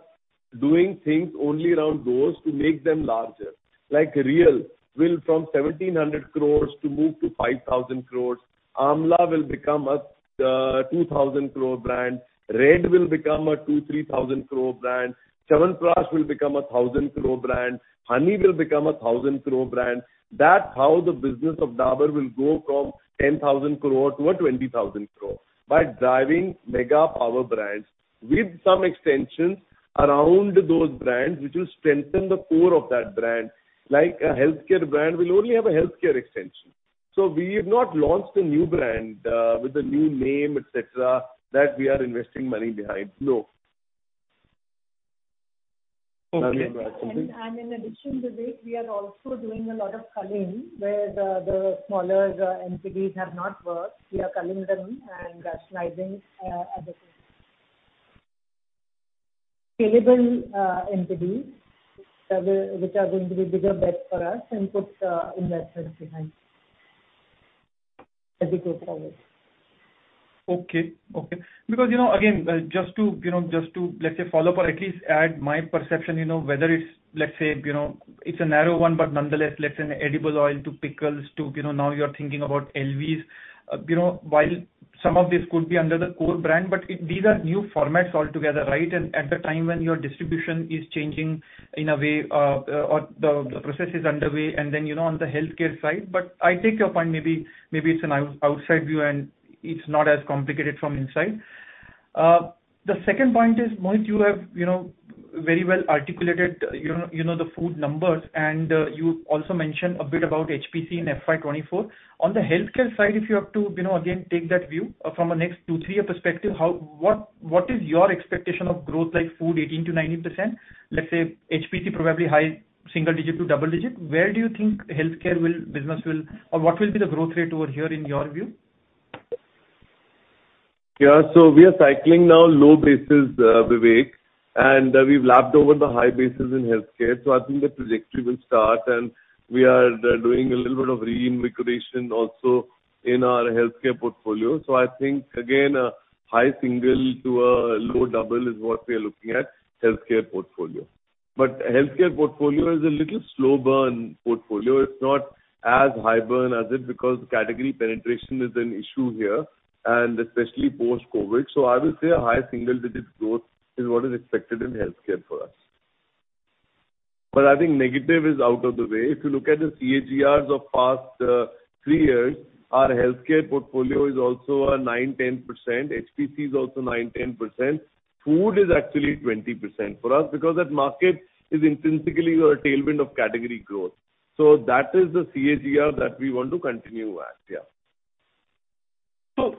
doing things only around those to make them larger. Like Réal will from 1,700 crore to move to 5,000 crore. Amla will become a 2,000 crore brand. Red will become a 2,000 crore-3,000 crore brand. Chyawanprash will become a 1,000 crore brand. Honey will become a 1,000 crore brand. That's how the business of Dabur will go from 10,000 crore to a 20,000 crore. By driving mega power brands with some extensions around those brands, which will strengthen the core of that brand. Like a Healthcare brand will only have a Healthcare extension. We have not launched a new brand with a new name, et cetera, that we are investing money behind. No. Okay. Nothing like that. In addition to this, we are also doing a lot of culling where the smaller entities have not worked. We are culling them and rationalizing other scalable entities which are going to be bigger bet for us and put investments behind as we go forward. Okay. Okay. You know, again, just to, you know, just to, let's say, follow up or at least add my perception, you know, whether it's, let's say, you know, it's a narrow one, but nonetheless, let's say an edible oil to pickles to, you know, now you're thinking about LVs. You know, while some of this could be under the core brand, but these are new formats altogether, right? And at the time when your distribution is changing in a way, or the process is underway and then, you know, on the Healthcare side. I take your point. Maybe, maybe it's an out-outside view and it's not as complicated from inside. The second point is, Mohit, you have, you know, very well articulated, you know, you know the food numbers, and, you also mentioned a bit about HPC in FY 2024. On the Healthcare side, if you have to, you know, again, take that view from a next two to three year perspective, what is your expectation of growth, like food 18%-19%? Let's say HPC probably high single digit to double digit. Where do you think Healthcare business will be the growth rate over here in your view? We are cycling now low bases, Vivek, and we've lapped over the high bases in Healthcare. I think the trajectory will start and we are doing a little bit of reinvigoration also in our Healthcare portfolio. I think again, a high single to a low double is what we are looking at Healthcare portfolio. Healthcare portfolio is a little slow burn portfolio. It's not as high burn as it because category penetration is an issue here and especially post-COVID. I will say a high single digit growth is what is expected in Healthcare for us. I think negative is out of the way. If you look at the CAGRs of past three years, our Healthcare portfolio is also 9%-10%. HPC is also 9%-10%. Food is actually 20% for us because that market is intrinsically a tailwind of category growth. That is the CAGR that we want to continue at. Yeah.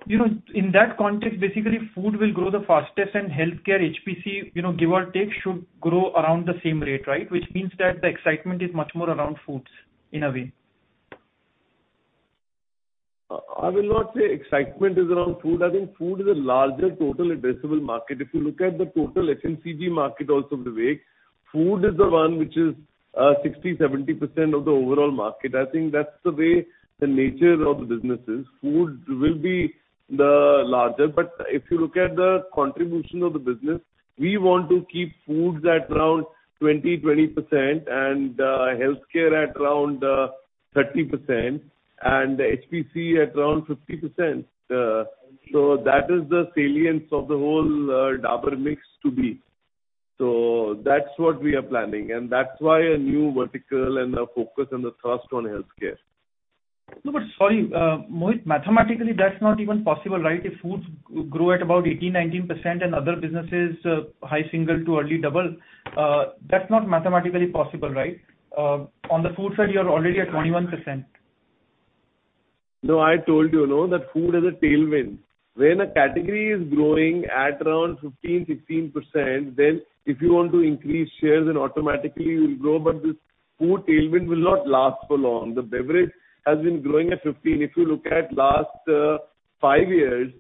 You know, in that context, basically food will grow the fastest and Healthcare, HPC, you know, give or take, should grow around the same rate, right? Which means that the excitement is much more around Foods in a way. I will not say excitement is around food. I think food is a larger total addressable market. If you look at the total FMCG market also, Vivek, food is the one which is 60%-70% of the overall market. I think that's the way the nature of the business is. Food will be the larger. If you look at the contribution of the business, we want to keep Foods at around 20% and Healthcare at around 30% and HPC at around 50%. That is the salience of the whole Dabur mix to be. That's what we are planning and that's why a new vertical and a focus and a thrust on Healthcare. Sorry, Mohit, mathematically that's not even possible, right? If Foods grow at about 18%-19% and other businesses, high single to early double, that's not mathematically possible, right? On the food side, you are already at 21%. No, I told you, no, that Food is a tailwind. When a category is growing at around 15%-16%, then if you want to increase shares, then automatically you will grow. This food tailwind will not last for long. The beverage has been growing at 15%. If you look at last five years.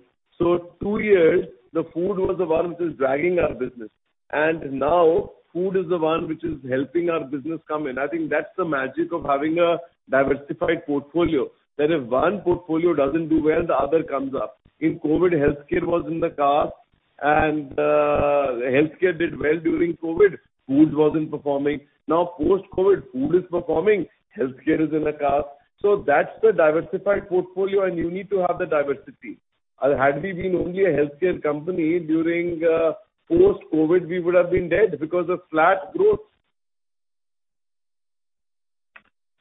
Two years the food was the one which was dragging our business and now food is the one which is helping our business come in. I think that's the magic of having a diversified portfolio, that if one portfolio doesn't do well, the other comes up. In COVID, Healthcare was in the cusp and Healthcare did well during COVID, food wasn't performing. Now post-COVID, food is performing, Healthcare is in a cusp. That's the diversified portfolio, and you need to have the diversity. Had we been only a Healthcare company during, post-COVID, we would have been dead because of flat growth.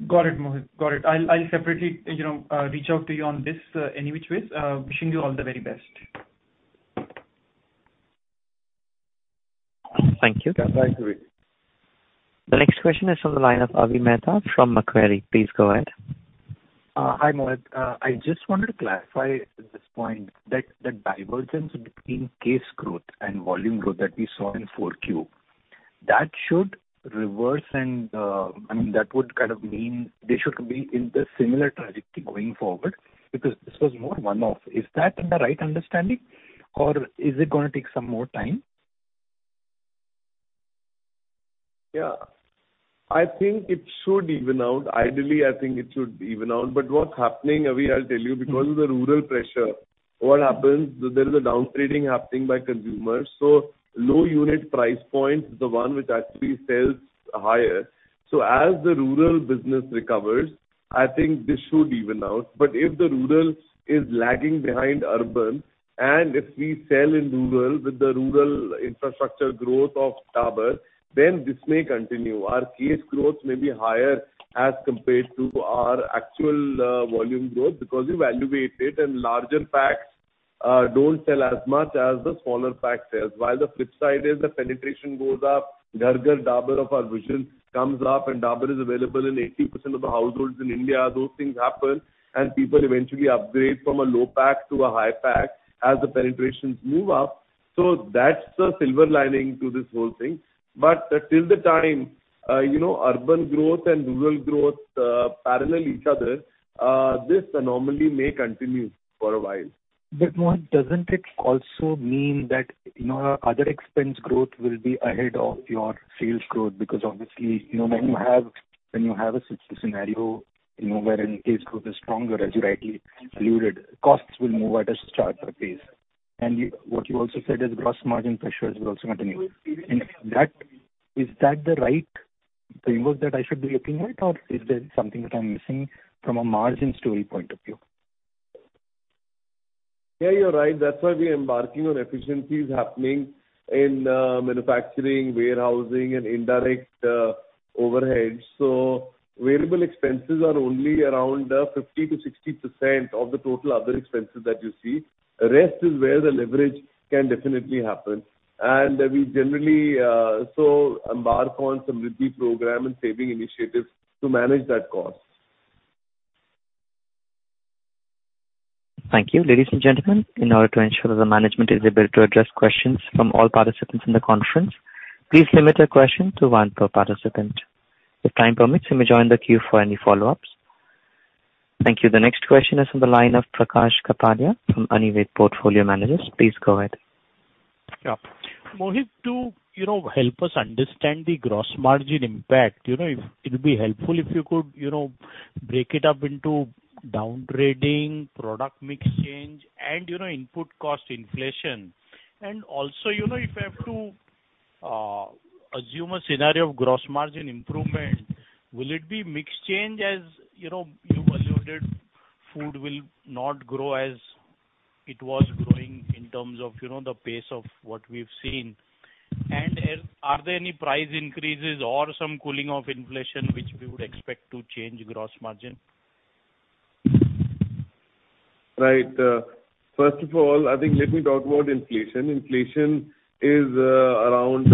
Got it, Mohit. Got it. I'll separately, you know, reach out to you on this any which ways. Wishing you all the very best. Thank you. Yeah, thank you, Vivek. The next question is from the line of Avi Mehta from Macquarie. Please go ahead. Hi, Mohit. I just wanted to clarify this point that the divergence between case growth and volume growth that we saw in 4Q, that should reverse and, I mean, that would kind of mean they should be in the similar trajectory going forward because this was more one-off. Is that the right understanding or is it gonna take some more time? Yeah. I think it should even out. Ideally, I think it should even out. What's happening, Avi, I'll tell you, because of the rural pressure, what happens, there is a down-trading happening by consumers, so low unit price point is the one which actually sells higher. As the rural business recovers, I think this should even out. If the rural is lagging behind urban, and if we sell in rural with the rural infrastructure growth of Dabur, then this may continue. Our case growth may be higher as compared to our actual volume growth because we valuate it and larger packs don't sell as much as the smaller pack sells. While the flip side is the penetration goes up, Ghar Ghar Dabur of our vision comes up and Dabur is available in 80% of the households in India. Those things happen and people eventually upgrade from a low pack to a high pack as the penetrations move up. That's the silver lining to this whole thing. Till the time, you know, urban growth and rural growth parallel each other, this anomaly may continue for a while. Mohit, doesn't it also mean that, you know, other expense growth will be ahead of your sales growth? Obviously, you know, when you have a such scenario, you know, wherein case growth is stronger, as you rightly alluded, costs will move at a sharper pace. What you also said is gross margin pressures will also continue. That, is that the right framework that I should be looking at? Is there something that I'm missing from a margin story point of view? Yeah, you're right. That's why we're embarking on efficiencies happening in manufacturing, warehousing and indirect overheads. Variable expenses are only around 50%-60% of the total other expenses that you see. The rest is where the leverage can definitely happen. We generally so embark on Samriddhi program and saving initiatives to manage that cost. Thank you. Ladies and gentlemen, in order to ensure the management is able to address questions from all participants in the conference, please limit your question to one per participant. If time permits, you may join the queue for any follow-ups. Thank you. The next question is on the line of Prakash Kapadia from Anved Portfolio Managers. Please go ahead. Yeah. Mohit, to, you know, help us understand the gross margin impact, you know, if it'll be helpful if you could, you know, break it up into downgrading, product mix change and, you know, input cost inflation. Also, you know, if I have to assume a scenario of gross margin improvement, will it be mix change, as, you know, you've alluded food will not grow as it was growing in terms of, you know, the pace of what we've seen? Are there any price increases or some cooling of inflation which we would expect to change gross margin? Right. First of all, I think let me talk about inflation. Inflation is around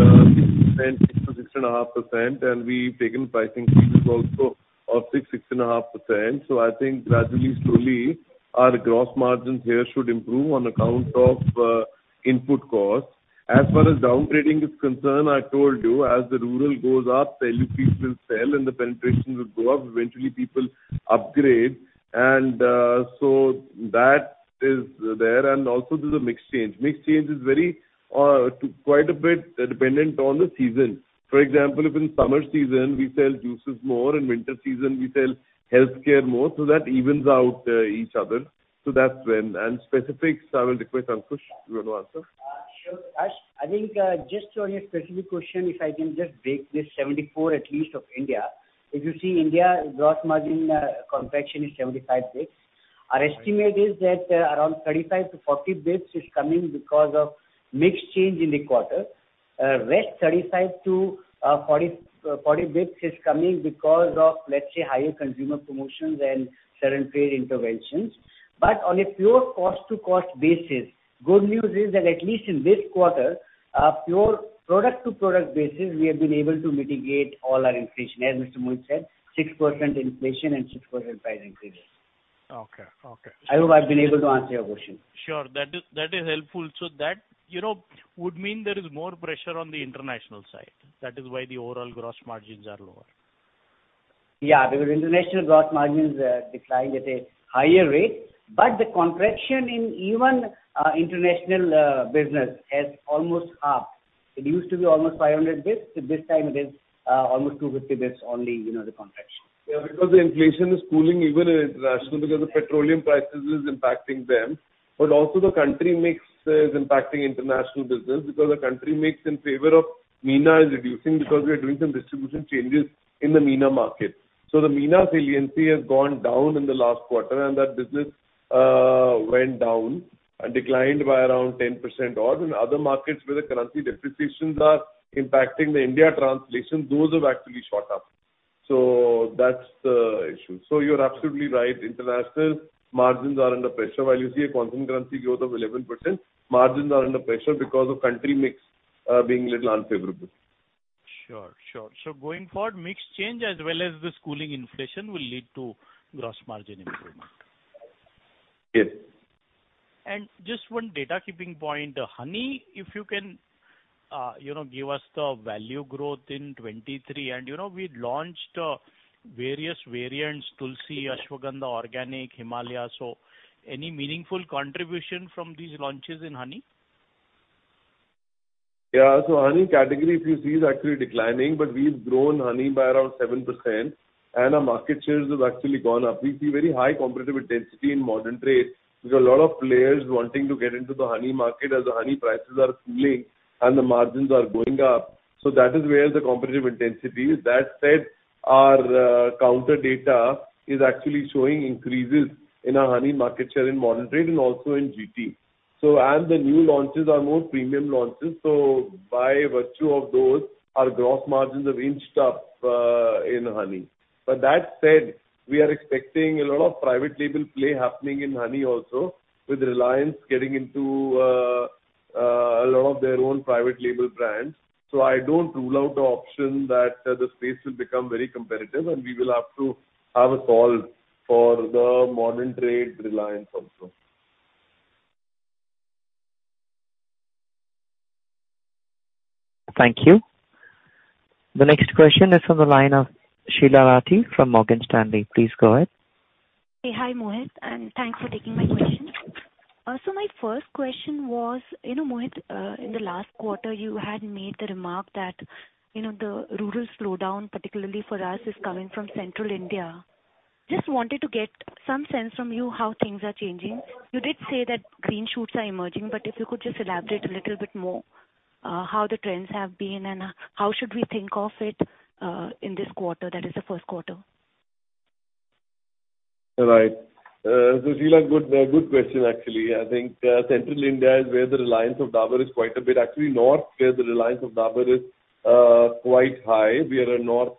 6%-6.5%, and we've taken pricing increases also of 6-6.5%. I think gradually, slowly, our gross margins here should improve on account of input costs. As far as downgrading is concerned, I told you, as the rural goes up, the will sell and the penetration will go up. Eventually people upgrade. That is there. Also there's a mix change. Mix change is very quite a bit dependent on the season. For example, if in summer season we sell juices more, in winter season we sell Healthcare more. That evens out each other. That's when, specifics I will request Ankush, you wanna answer? Sure. Ash, I think, just on your specific question, if I can just break this 74, at least of India. If you see India gross margin complexion is 75 basis points. Our estimate is that around 35-40 basis points is coming because of mix change in the quarter. Rest 35-40 basis points is coming because of, let's say, higher consumer promotions and certain paid interventions. But on a pure cost-to-cost basis, good news is that at least in this quarter, a pure product-to-product basis, we have been able to mitigate all our inflation. As Mr. Mohit said, 6% inflation and 6% price increases. Okay. Okay. I hope I've been able to answer your question. Sure. That is helpful. That, you know, would mean there is more pressure on the international side. That is why the overall gross margins are lower. Yeah. Because international gross margins declined at a higher rate. The contraction in even international business has almost half. It used to be almost 500 basis points, but this time it is almost 200 basis points only, you know, the contraction. Yeah. The inflation is cooling even in international, because the petroleum prices is impacting them. Also the country mix is impacting international business because the country mix in favor of MENA is reducing because we are doing some distribution changes in the MENA market. The MENA saliency has gone down in the last quarter, and that business went down and declined by around 10% odd. In other markets where the currency depreciations are impacting the India translation, those have actually shot up. That is the issue. You're absolutely right, international margins are under pressure. While you see a constant currency growth of 11%, margins are under pressure because of country mix being a little unfavorable. Sure, sure. Going forward, mix change as well as this cooling inflation will lead to gross margin improvement. Yes. Just one data keeping point. Honey, if you can, you know, give us the value growth in 2023. You know, we launched, various variants, Tulsi, Ashwagandha, Organic, Himalaya. Any meaningful contribution from these launches in honey? Honey category, if you see, is actually declining. We've grown honey by around 7% and our market shares have actually gone up. We see very high competitive intensity in modern trade because a lot of players wanting to get into the honey market as the honey prices are cooling and the margins are going up. That is where the competitive intensity is. That said, our counter data is actually showing increases in our honey market share in modern trade and also in GT. The new launches are more premium launches. By virtue of those, our gross margins have inched up in honey. That said, we are expecting a lot of private label play happening in honey also with Reliance Retail getting into a lot of their own private label brands. I don't rule out the option that the space will become very competitive and we will have to have a solve for the modern trade Reliance also. Thank you. The next question is from the line of Sheela Rathi from Morgan Stanley. Please go ahead. Hi, Mohit, thanks for taking my question. My first question was, you know, Mohit, in the last quarter, you had made the remark that, you know, the rural slowdown, particularly for us, is coming from central India. Just wanted to get some sense from you how things are changing. You did say that green shoots are emerging, if you could just elaborate a little bit more, how the trends have been and how should we think of it in this quarter, that is the first quarter? Right. Sheela, good question, actually. I think, central India is where the reliance of Dabur is quite a bit. Actually, north, where the reliance of Dabur is quite high. We are a north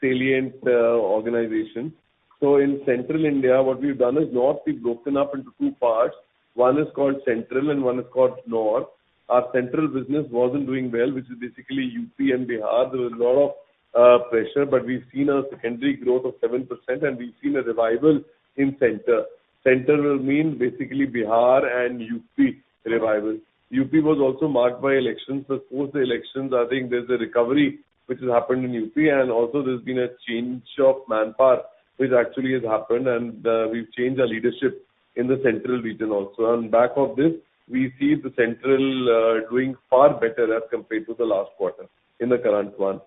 salient organization. In central India, what we've done is north, we've broken up into two parts. One is called central, and one is called north. Our central business wasn't doing well, which is basically UP and Bihar. There was a lot of pressure, but we've seen a secondary growth of 7%, and we've seen a revival in Center. Center will mean basically Bihar and UP revival. UP was also marked by elections. Post the elections, I think there's a recovery which has happened in UP, and also there's been a change of manpower which actually has happened, and we've changed our leadership in the central region also. On back of this, we see the central doing far better as compared to the last quarter in the current one.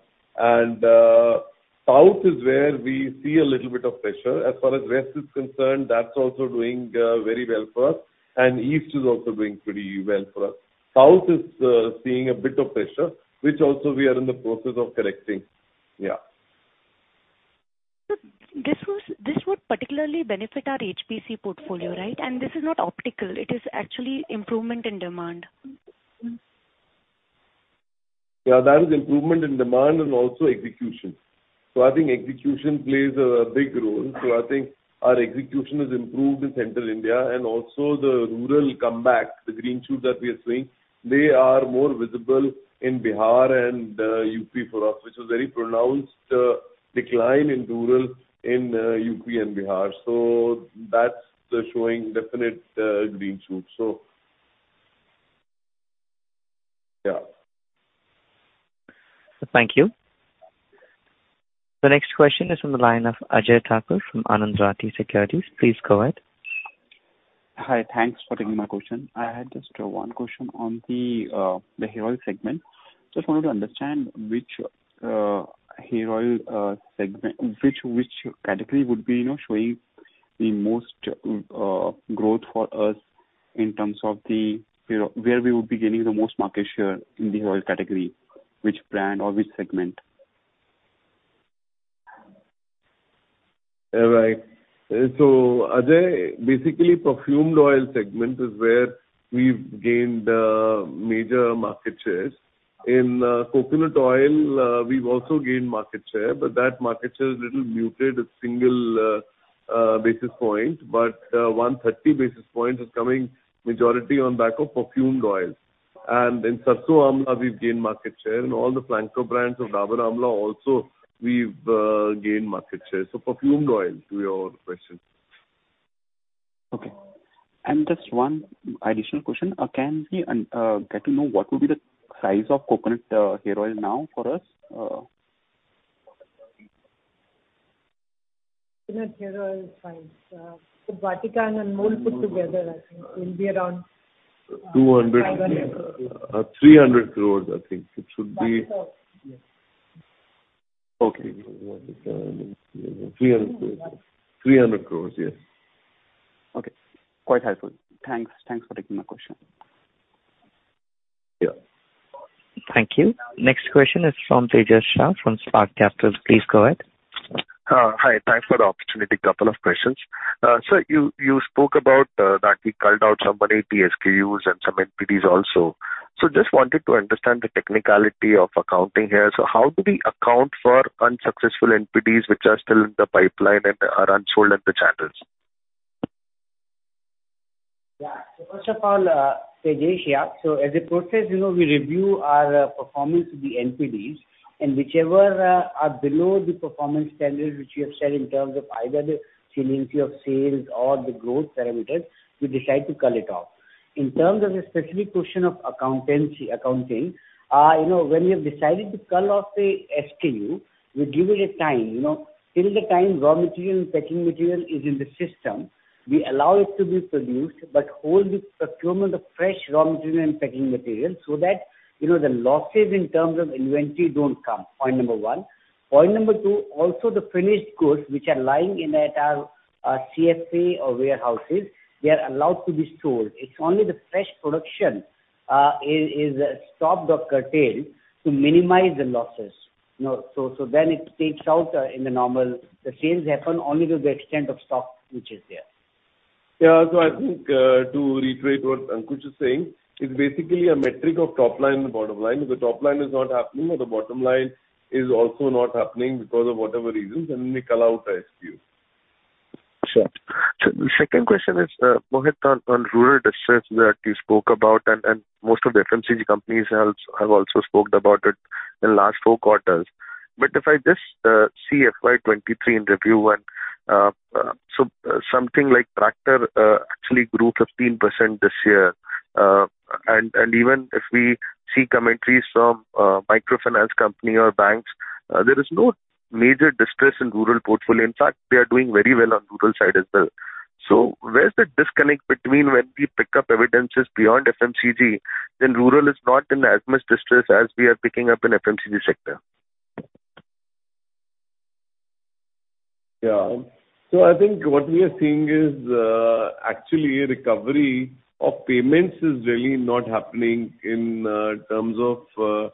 South is where we see a little bit of pressure. As far as west is concerned, that's also doing very well for us, and east is also doing pretty well for us. South is seeing a bit of pressure, which also we are in the process of correcting. This would particularly benefit our HPC portfolio, right? This is not optical. It is actually improvement in demand. That is improvement in demand and also execution. I think execution plays a big role. I think our execution has improved in Central India and also the rural comeback, the green shoots that we are seeing, they are more visible in Bihar and UP for us, which was very pronounced decline in rural in UP and Bihar. That's showing definite green shoots. Thank you. The next question is from the line of Ajay Thakur from Anand Rathi Securities. Please go ahead. Hi. Thanks for taking my question. I had just one question on the hair oil segment. Just wanted to understand which hair oil category would be, you know, showing the most growth for us in terms of the hair oil where we would be getting the most market share in the hair oil category, which brand or which segment? Right. Ajay, basically perfumed oil segment is where we've gained major market shares. In coconut oil, we've also gained market share, but that market share is a little muted, a 1 basis point. 130 basis points is coming majority on back of perfumed oils. In Sarson Amla, we've gained market share, and all the flanker brands of Dabur Amla also we've gained market share. Perfumed oil to your question. Okay. Just one additional question. Can we get to know what would be the size of coconut hair oil now for us? INR 300 crores, I think it should be. Okay. Quite helpful. Thanks. Thanks for taking my question. Yeah. Thank you. Next question is from Tejash Shah from Spark Capital. Please go ahead. Hi. Thanks for the opportunity. Couple of questions. You spoke about that we culled out some 80 SKUs and some NPDs also. Just wanted to understand the technicality of accounting here. How do we account for unsuccessful NPDs which are still in the pipeline and are unsold at the channels? Yeah. First of all, Tejash here. As a process, you know, we review our performance with the NPDs, and whichever are below the performance standard, which we have said in terms of either the resiliency of sales or the growth parameters, we decide to cull it off. In terms of the specific question of accountancy, accounting, you know, when we have decided to cull off a SKU, we give it a time, you know. Till the time raw material and packing material is in the system, we allow it to be produced but hold the procurement of fresh raw material and packing material so that, you know, the losses in terms of inventory don't come, point number one. Point number two, also the finished goods which are lying in at our CFA or warehouses, they are allowed to be stored. It's only the fresh production, is stopped or curtailed to minimize the losses. You know, it takes out. The sales happen only to the extent of stock which is there. Yeah. I think, to reiterate what Ankush is saying, it's basically a metric of top line and the bottom line. If the top line is not happening or the bottom line is also not happening because of whatever reasons, then we cull out the SKUs. Sure. The second question is, Mohit, on rural distress that you spoke about, and most of the FMCG companies have also spoke about it in last four quarters. If I just see FY 2023 in review and something like tractor actually grew 15% this year. Even if we see commentaries from microfinance company or banks, there is no major distress in rural portfolio. In fact, they are doing very well on rural side as well. Where's the disconnect between when we pick up evidences beyond FMCG, then rural is not in as much distress as we are picking up in FMCG sector? I think what we are seeing is actually a recovery of payments is really not happening in terms of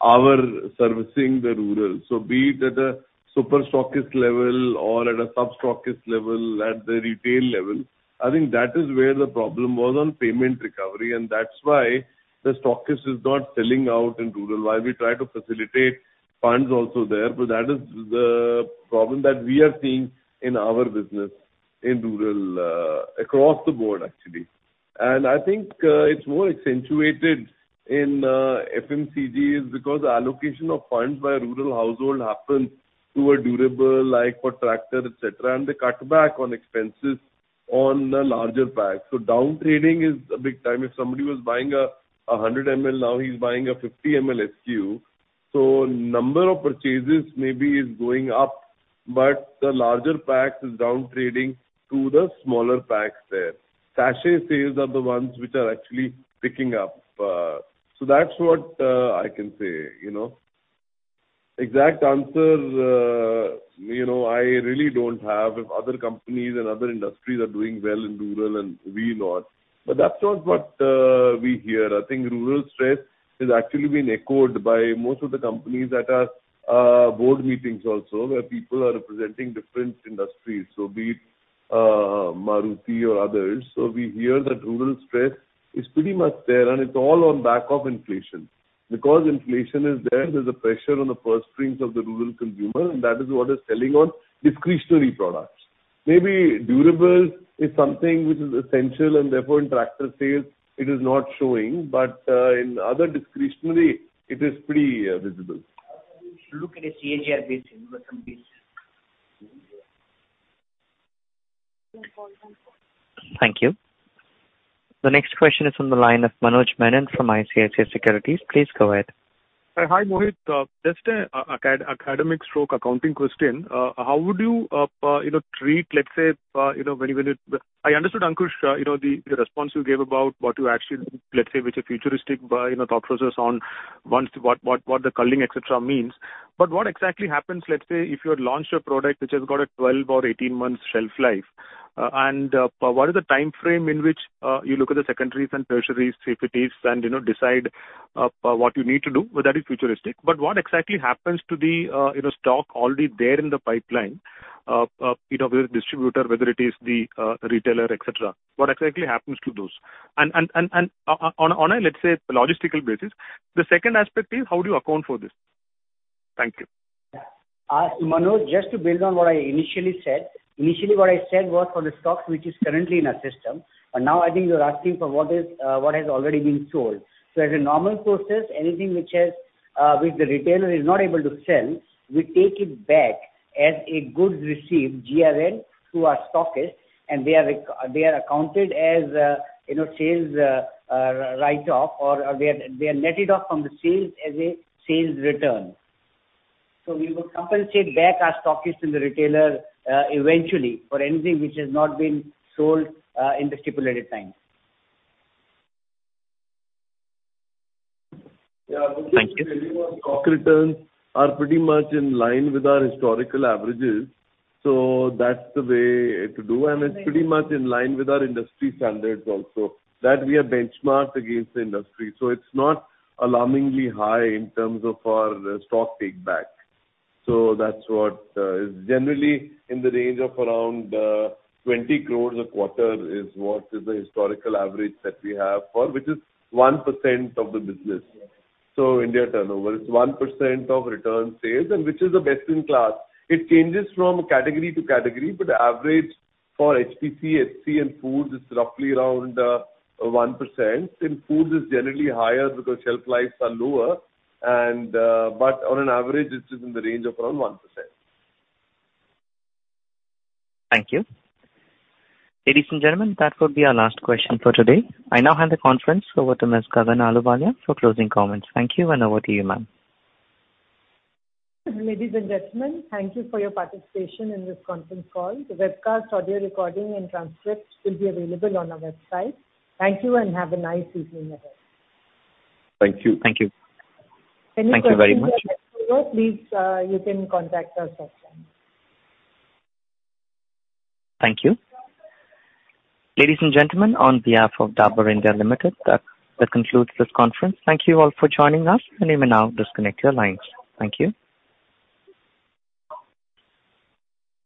our servicing the rural. Be it at a super stockist level or at a sub-stockist level, at the retail level, I think that is where the problem was on payment recovery. That's why the stockist is not selling out in rural. While we try to facilitate funds also there, but that is the problem that we are seeing in our business in rural across the board actually. I think it's more accentuated in FMCGs because the allocation of funds by rural household happen to a durable like for tractor, et cetera, and they cut back on expenses on the larger packs. Down trading is a big time. If somebody was buying 100 ml, now he's buying a 50 ml SKU. Number of purchases maybe is going up, but the larger packs is down trading to the smaller packs there. Sachet sales are the ones which are actually picking up. That's what I can say, you know. Exact answer, you know, I really don't have. If other companies and other industries are doing well in rural and we not. That's not what we hear. I think rural stress has actually been echoed by most of the companies at our board meetings also where people are representing different industries, so be it Maruti or others. We hear that rural stress is pretty much there and it's all on back of inflation. Inflation is there's a pressure on the purse strings of the rural consumer and that is what is selling on discretionary products. Maybe durable is something which is essential and therefore in tractor sales it is not showing. In other discretionary it is pretty visible. Thank you. The next question is from the line of Manoj Menon from ICICI Securities. Please go ahead. Hi, Mohit. Just a academic stroke accounting question? I understood Ankush, you know, the response you gave about what you actually, let's say which are futuristic, you know, thought process on once what the culling et cetera means. What exactly happens, let's say if you had launched a product which has got a 12 or 18 months shelf life, and what is the timeframe in which you look at the secondaries and tertiaries, quartiles and, you know, decide what you need to do? Well, that is futuristic. What exactly happens to the, you know, stock already there in the pipeline, you know, whether distributor, whether it is the retailer, et cetera? What exactly happens to those? On a, let's say, logistical basis. The second aspect is how do you account for this? Thank you. Manoj, just to build on what I initially said. Initially what I said was for the stock which is currently in our system, but now I think you're asking for what is what has already been sold. As a normal process, anything which has which the retailer is not able to sell, we take it back as a goods received, GRN, to our stockist and they are accounted as, you know, sales write-off or they are netted off from the sales as a sales return. We will compensate back our stockist and the retailer eventually for anything which has not been sold in the stipulated time. Yeah. Thank you. Stock returns are pretty much in line with our historical averages, that's the way to do and it's pretty much in line with our industry standards also. That we are benchmarked against the industry, so it's not alarmingly high in terms of our stock take back. That's what is generally in the range of around 20 crore a quarter is what is the historical average that we have for, which is 1% of the business. India turnover is 1% of return sales and which is the best in class. It changes from category to category, but average for HPC, HC and Foods is roughly around 1%. In Foods it's generally higher because shelf lives are lower and, but on an average it is in the range of around 1%. Thank you. Ladies and gentlemen, that would be our last question for today. I now hand the conference over to Ms. Gagan Ahluwalia for closing comments. Thank you and over to you, ma'am. Ladies and gentlemen, thank you for your participation in this conference call. The webcast, audio recording and transcripts will be available on our website. Thank you and have a nice evening ahead. Thank you. Thank you. Any questions please, you can contact us offline. Thank you. Ladies and gentlemen, on behalf of Dabur India Limited, that concludes this conference. Thank you all for joining us and you may now disconnect your lines. Thank you.